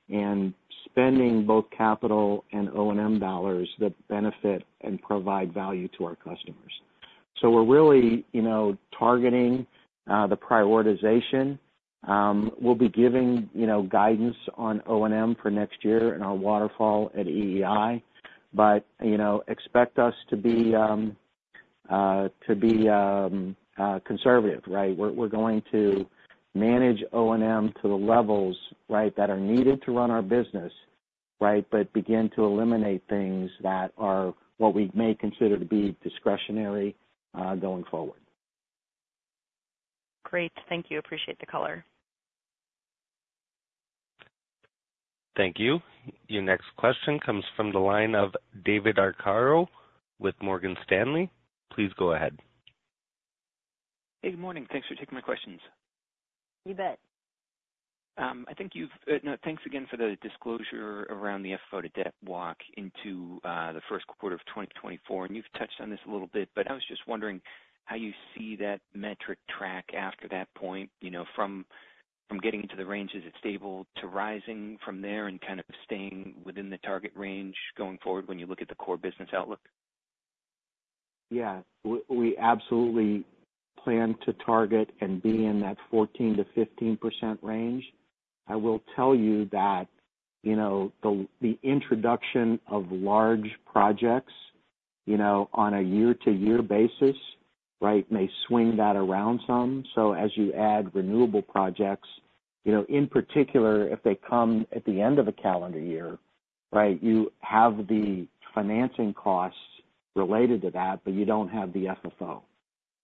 and spending both capital and O&M dollars that benefit and provide value to our customers. So we're really, you know, targeting the prioritization. We'll be giving, you know, guidance on O&M for next year in our waterfall at EEI, but, you know, expect us to be conservative, right? We're going to manage O&M to the levels, right, that are needed to run our business, right, but begin to eliminate things that are what we may consider to be discretionary going forward. Great. Thank you. Appreciate the color. Thank you. Your next question comes from the line of David Arcaro with Morgan Stanley. Please go ahead. Hey, good morning. Thanks for taking my questions. You bet. Thanks again for the disclosure around the FFO to debt walk into the first quarter of 2024. And you've touched on this a little bit, but I was just wondering how you see that metric track after that point, you know, from getting into the ranges, it's stable to rising from there and kind of staying within the target range going forward when you look at the core business outlook. Yeah. We absolutely plan to target and be in that 14%–15% range. I will tell you that, you know, the introduction of large projects, you know, on a year-to-year basis, right, may swing that around some. So as you add renewable projects, you know, in particular, if they come at the end of a calendar year, right, you have the financing costs related to that, but you don't have the FFO.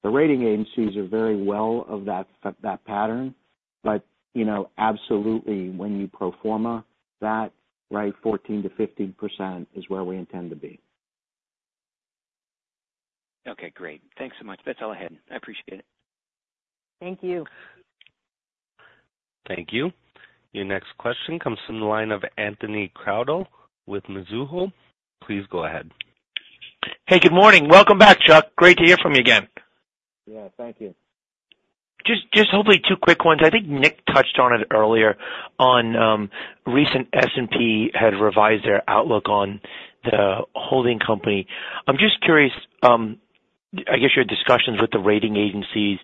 The rating agencies are very well aware of that pattern. But, you know, absolutely, when you pro forma that, right, 14%–15% is where we intend to be. Okay, great. Thanks so much. That's all I had. I appreciate it. Thank you. Thank you. Your next question comes from the line of Anthony Crowder with Mizuho. Please go ahead. Hey, good morning. Welcome back, Chuck. Great to hear from you again. Yeah, thank you. Just, just hopefully two quick ones. I think Nick touched on it earlier on, recent S&P had revised their outlook on the holding company. I'm just curious, I guess, your discussions with the rating agencies.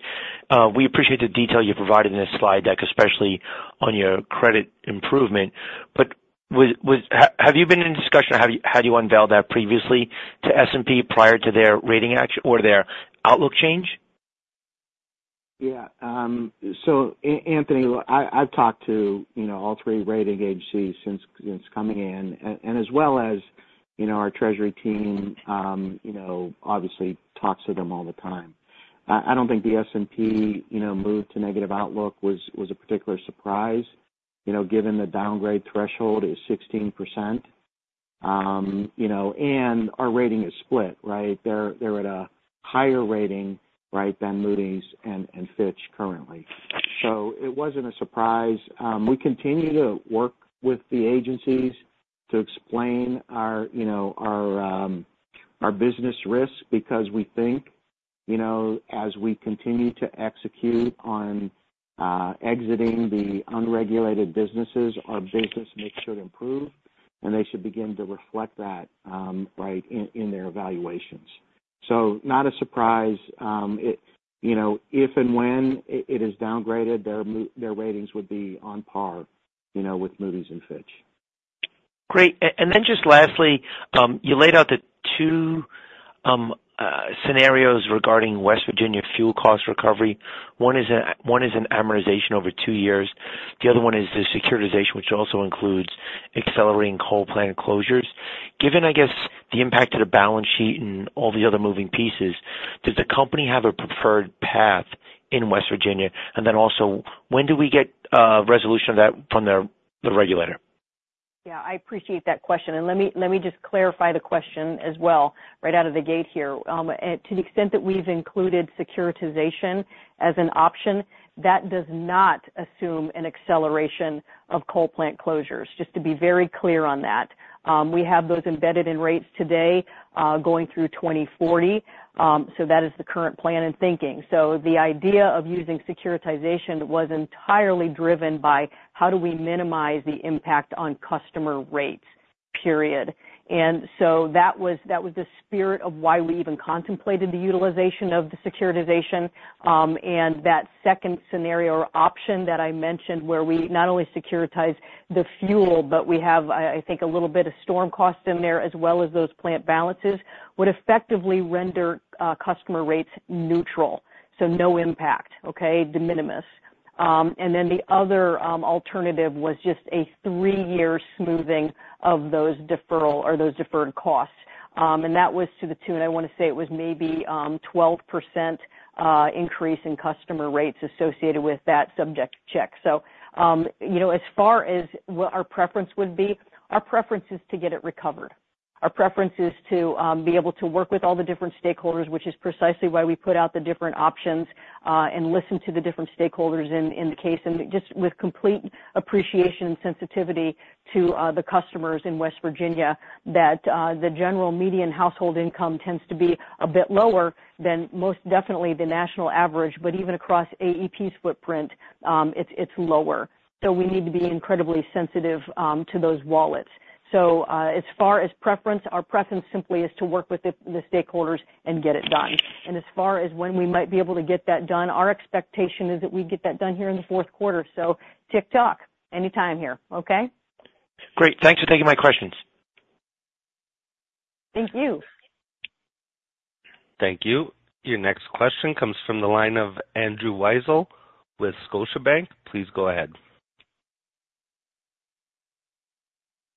We appreciate the detail you provided in this slide deck, especially on your credit improvement. But have you been in discussion, or had you unveiled that previously to S&P prior to their rating action or their outlook change? Yeah. So Anthony, I've talked to, you know, all three rating agencies since coming in, and as well as, you know, our treasury team, you know, obviously talks to them all the time. I don't think the S&P move to negative outlook was a particular surprise, you know, given the downgrade threshold is 16%. And our rating is split, right? They're at a higher rating, right, than Moody's and Fitch currently. So it wasn't a surprise. We continue to work with the agencies to explain our business risk, because we think, you know, as we continue to execute on exiting the unregulated businesses, our business mix should improve, and they should begin to reflect that, right, in their evaluations. So not a surprise. It... You know, if and when it is downgraded, their ratings would be on par, you know, with Moody's and Fitch. Great. And then just lastly, you laid out the two scenarios regarding West Virginia fuel cost recovery. One is an amortization over two years, the other one is the securitization, which also includes accelerating coal plant closures. Given, I guess, the impact to the balance sheet and all the other moving pieces, does the company have a preferred path in West Virginia? And then also, when do we get resolution of that from the regulator? Yeah, I appreciate that question, and let me just clarify the question as well, right out of the gate here. And to the extent that we've included securitization as an option, that does not assume an acceleration of coal plant closures. Just to be very clear on that. We have those embedded in rates today, going through 2040. So that is the current plan and thinking. So the idea of using securitization was entirely driven by how do we minimize the impact on customer rates? Period. And so that was the spirit of why we even contemplated the utilization of the securitization. And that second scenario or option that I mentioned, where we not only securitize the fuel, but we have I think a little bit of storm costs in there, as well as those plant balances, would effectively render customer rates neutral. So no impact, okay? De minimis. And then the other alternative was just a three-year smoothing of those deferral or those deferred costs. And that was to the tune, I want to say it was maybe 12% increase in customer rates associated with that subject check. So you know, as far as what our preference would be, our preference is to get it recovered. Our preference is to be able to work with all the different stakeholders, which is precisely why we put out the different options, and listen to the different stakeholders in the case, and just with complete appreciation and sensitivity to the customers in West Virginia, that the general median household income tends to be a bit lower than most definitely the national average. But even across AEP's footprint, it's lower. So we need to be incredibly sensitive to those wallets. So, as far as preference, our preference simply is to work with the stakeholders and get it done. And as far as when we might be able to get that done, our expectation is that we get that done here in the fourth quarter. So tick-tock, anytime here, okay? Great. Thanks for taking my questions. Thank you. Thank you. Your next question comes from the line of Andrew Weisel with Scotiabank. Please go ahead.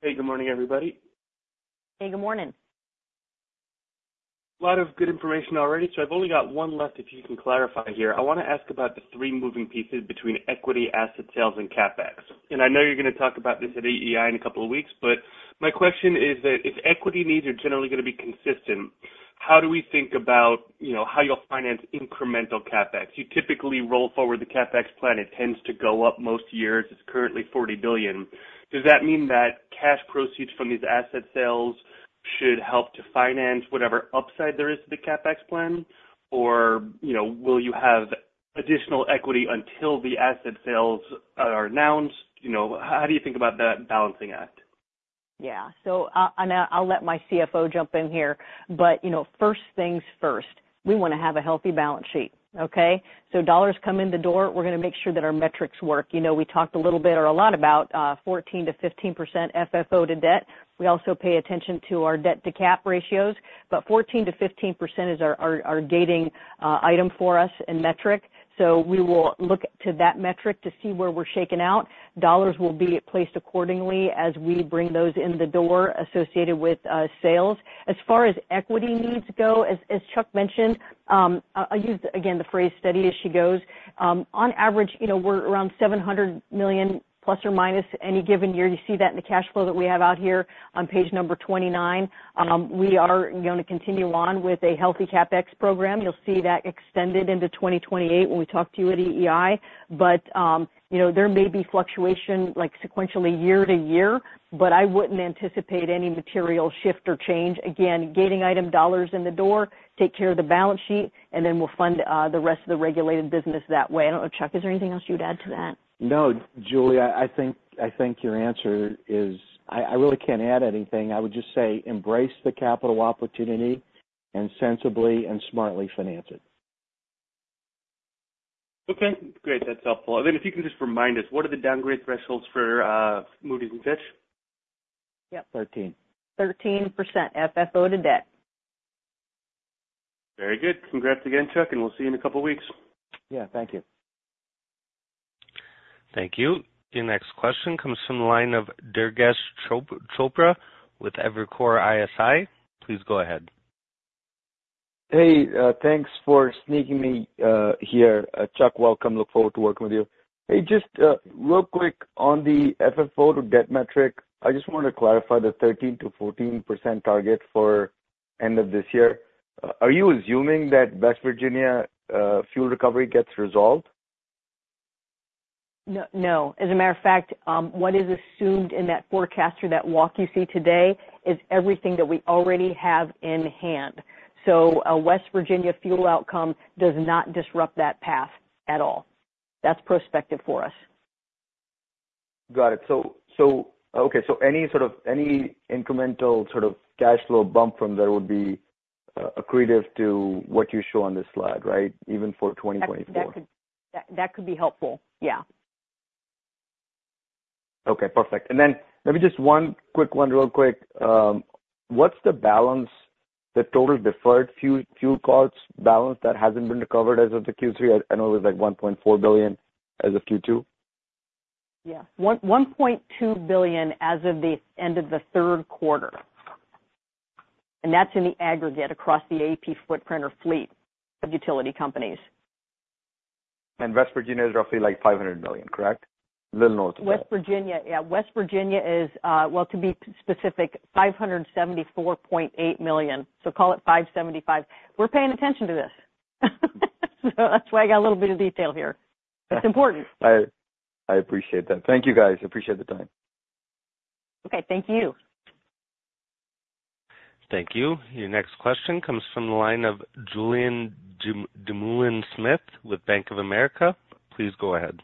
Hey, good morning, everybody. Hey, good morning. A lot of good information already, so I've only got one left, if you can clarify here. I want to ask about the three moving pieces between equity, asset sales, and CapEx. I know you're going to talk about this at EEI in a couple of weeks, but my question is that if equity needs are generally going to be consistent, how do we think about, you know, how you'll finance incremental CapEx? You typically roll forward the CapEx plan. It tends to go up most years. It's currently $40 billion. Does that mean that cash proceeds from these asset sales should help to finance whatever upside there is to the CapEx plan? Or, you know, will you have additional equity until the asset sales are announced? You know, how do you think about that balancing act? Yeah. So, and I'll let my CFO jump in here. But, you know, first things first, we want to have a healthy balance sheet, okay? So dollars come in the door, we're going to make sure that our metrics work. You know, we talked a little bit or a lot about 14%–15% FFO to debt. We also pay attention to our debt-to-cap ratios, but 14%–15% is our gating item for us and metric. So we will look to that metric to see where we're shaking out. Dollars will be placed accordingly as we bring those in the door associated with sales. As far as equity needs go, as Chuck mentioned, I'll use, again, the phrase steady as she goes. On average, you know, we're around $700 million ± any given year. You see that in the cash flow that we have out here on page 29. We are going to continue on with a healthy CapEx program. You'll see that extended into 2028 when we talk to you at EEI. But, you know, there may be fluctuation like sequentially year to year, but I wouldn't anticipate any material shift or change. Again, gating item dollars in the door, take care of the balance sheet, and then we'll fund the rest of the regulated business that way. I don't know. Chuck, is there anything else you would add to that? No, Julie, I think your answer is... I really can't add anything. I would just say embrace the capital opportunity and sensibly and smartly finance it. Okay, great. That's helpful. And then if you can just remind us, what are the downgrade thresholds for Moody's and Fitch? Yep. Thirteen. 13% FFO to Debt. Very good. Congrats again, Chuck, and we'll see you in a couple of weeks. Yeah, thank you. Thank you. Your next question comes from the line of Durgesh Chopra with Evercore ISI. Please go ahead. Hey, thanks for sneaking me here. Chuck, welcome. Look forward to working with you. Hey, just real quick on the FFO to debt metric, I just want to clarify the 13%–14% target for end of this year. Are you assuming that West Virginia fuel recovery gets resolved? No, no. As a matter of fact, what is assumed in that forecast or that walk you see today is everything that we already have in hand. So a West Virginia fuel outcome does not disrupt that path at all. That's prospective for us. Got it. So, okay, so any sort of incremental sort of cash flow bump from there would be accretive to what you show on this slide, right? Even for 2024. That could be helpful. Yeah. Okay, perfect. And then maybe just one quick one real quick. What's the balance, the total deferred fuel, fuel costs balance that hasn't been recovered as of the Q3? I know it was, like, $1.4 billion as of Q2. Yeah. $1.2 billion as of the end of the third quarter, and that's in the aggregate across the AEP footprint or fleet of utility companies. West Virginia is roughly, like, $500 million, correct? Little noticeable. West Virginia, yeah, West Virginia is, well, to be specific, $574.8 million, so call it $575 million. We're paying attention to this. So that's why I got a little bit of detail here. It's important. I appreciate that. Thank you, guys. I appreciate the time. Okay. Thank you. Thank you. Your next question comes from the line of Julien Dumoulin-Smith with Bank of America. Please go ahead.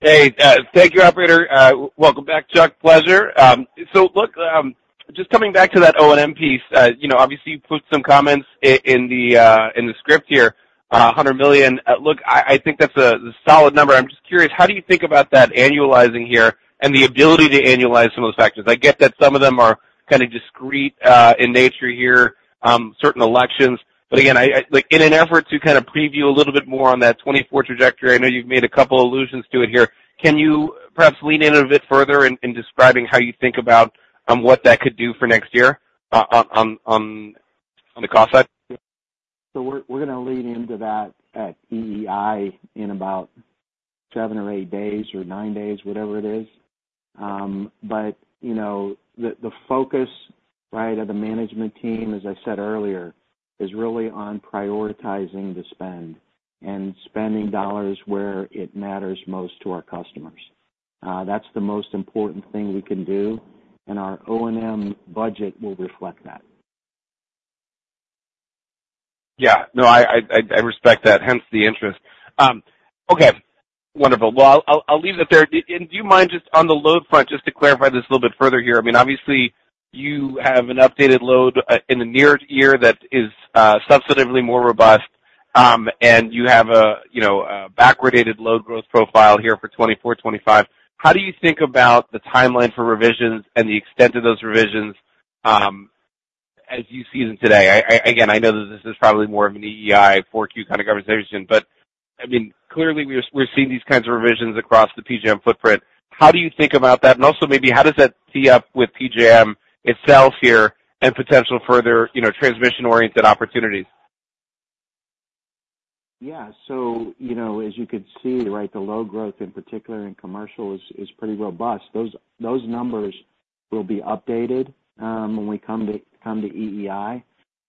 Hey, thank you, operator. Welcome back, Chuck. Pleasure. So look, just coming back to that O&M piece, you know, obviously you put some comments in the script here, $100 million. Look, I think that's a solid number. I'm just curious, how do you think about that annualizing here and the ability to annualize some of those factors? I get that some of them are kind of discrete in nature here, certain elections. But again, like in an effort to kind of preview a little bit more on that 2024 trajectory, I know you've made a couple allusions to it here. Can you perhaps lean in a bit further in describing how you think about what that could do for next year on the cost side? So we're going to lean into that at EEI in about 7 or 8 days or 9 days, whatever it is. But you know, the focus, right, of the management team, as I said earlier, is really on prioritizing the spend and spending dollars where it matters most to our customers. That's the most important thing we can do, and our O&M budget will reflect that. Yeah. No, I respect that, hence the interest. Okay, wonderful. Well, I'll leave it there. Do and do you mind just on the load front, just to clarify this a little bit further here, I mean, obviously you have an updated load in the near year that is substantively more robust, and you have a, you know, a backwardated load growth profile here for 2024, 2025. How do you think about the timeline for revisions and the extent of those revisions as you see them today? I again know that this is probably more of an EEI 4Q kind of conversation, but I mean, clearly, we're seeing these kinds of revisions across the PJM footprint. How do you think about that? And also maybe how does that tee up with PJM itself here and potential further, you know, transmission-oriented opportunities? Yeah. So, you know, as you could see, right, the load growth in particular in commercial is pretty robust. Those numbers will be updated when we come to EEI.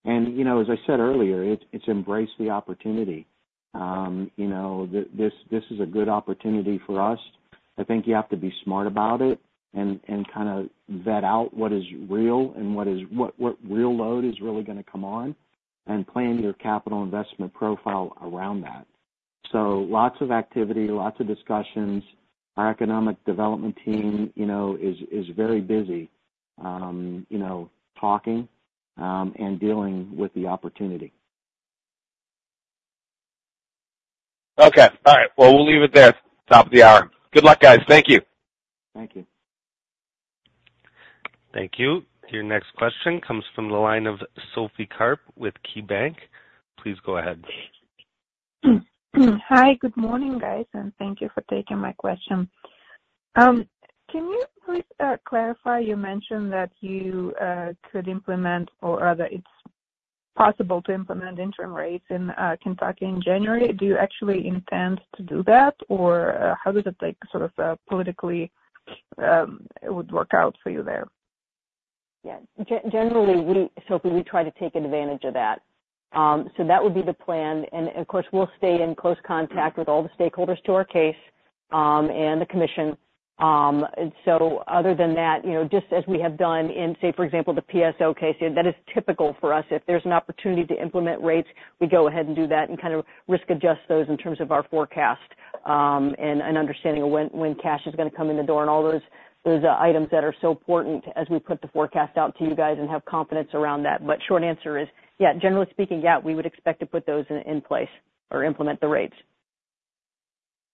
And, you know, as I said earlier, it's embrace the opportunity. You know, this is a good opportunity for us. I think you have to be smart about it and kind of vet out what is real and what real load is really going to come on and plan your capital investment profile around that. So lots of activity, lots of discussions. Our economic development team, you know, is very busy, you know, talking and dealing with the opportunity. Okay. All right, well, we'll leave it there. Top of the hour. Good luck, guys. Thank you. Thank you. Thank you. Your next question comes from the line of Sophie Karp with KeyBanc. Please go ahead. Hi, good morning, guys, and thank you for taking my question. Can you please clarify? You mentioned that you could implement or rather it's possible to implement interim rates in Kentucky in January. Do you actually intend to do that, or how does it, like, sort of, politically, it would work out for you there? Yeah. Generally, we, Sophie, we try to take advantage of that. So that would be the plan. And, of course, we'll stay in close contact with all the stakeholders to our case, and the commission. So other than that, you know, just as we have done in, say, for example, the PSO case, that is typical for us. If there's an opportunity to implement rates, we go ahead and do that and kind of risk adjust those in terms of our forecast, and understanding of when cash is going to come in the door and all those items that are so important as we put the forecast out to you guys and have confidence around that. But short answer is, yeah, generally speaking, yeah, we would expect to put those in place or implement the rates.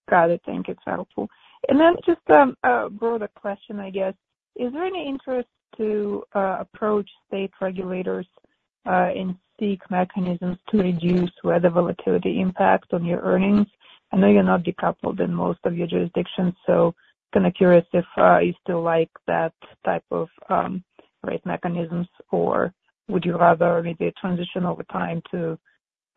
Got it. Thank you. That's helpful. And then just a broader question, I guess. Is there any interest to approach state regulators and seek mechanisms to reduce weather volatility impact on your earnings? I know you're not decoupled in most of your jurisdictions, so kind of curious if you still like that type of rate mechanisms, or would you rather maybe transition over time to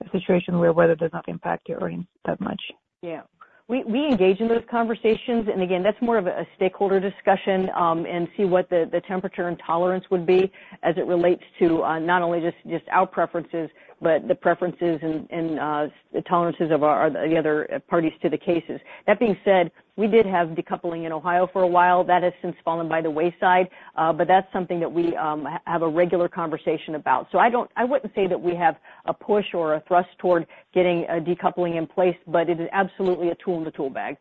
a situation where weather does not impact your earnings that much? Yeah. We engage in those conversations, and again, that's more of a stakeholder discussion, and see what the temperature and tolerance would be as it relates to, not only just our preferences, but the preferences and the tolerances of our, the other parties to the cases. That being said, we did have decoupling in Ohio for a while. That has since fallen by the wayside, but that's something that we have a regular conversation about. So I don't—I wouldn't say that we have a push or a thrust toward getting a decoupling in place, but it is absolutely a tool in the tool bag.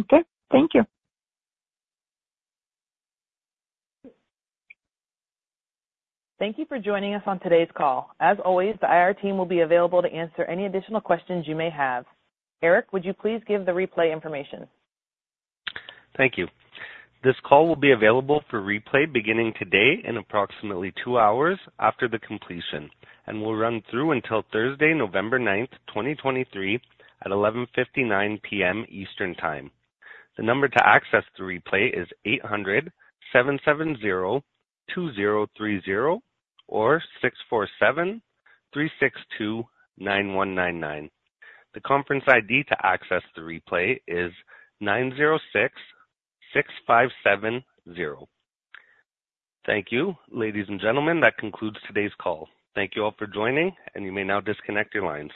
Okay, thank you. Thank you for joining us on today's call. As always, the IR team will be available to answer any additional questions you may have. Eric, would you please give the replay information? Thank you. This call will be available for replay beginning today in approximately 2 hours after the completion and will run through until Thursday, November ninth, 2023, at 11:59 P.M. Eastern Time. The number to access the replay is 800-770-2030 or 647-362-9199. The conference ID to access the replay is 9066570. Thank you, ladies and gentlemen. That concludes today's call. Thank you all for joining, and you may now disconnect your lines.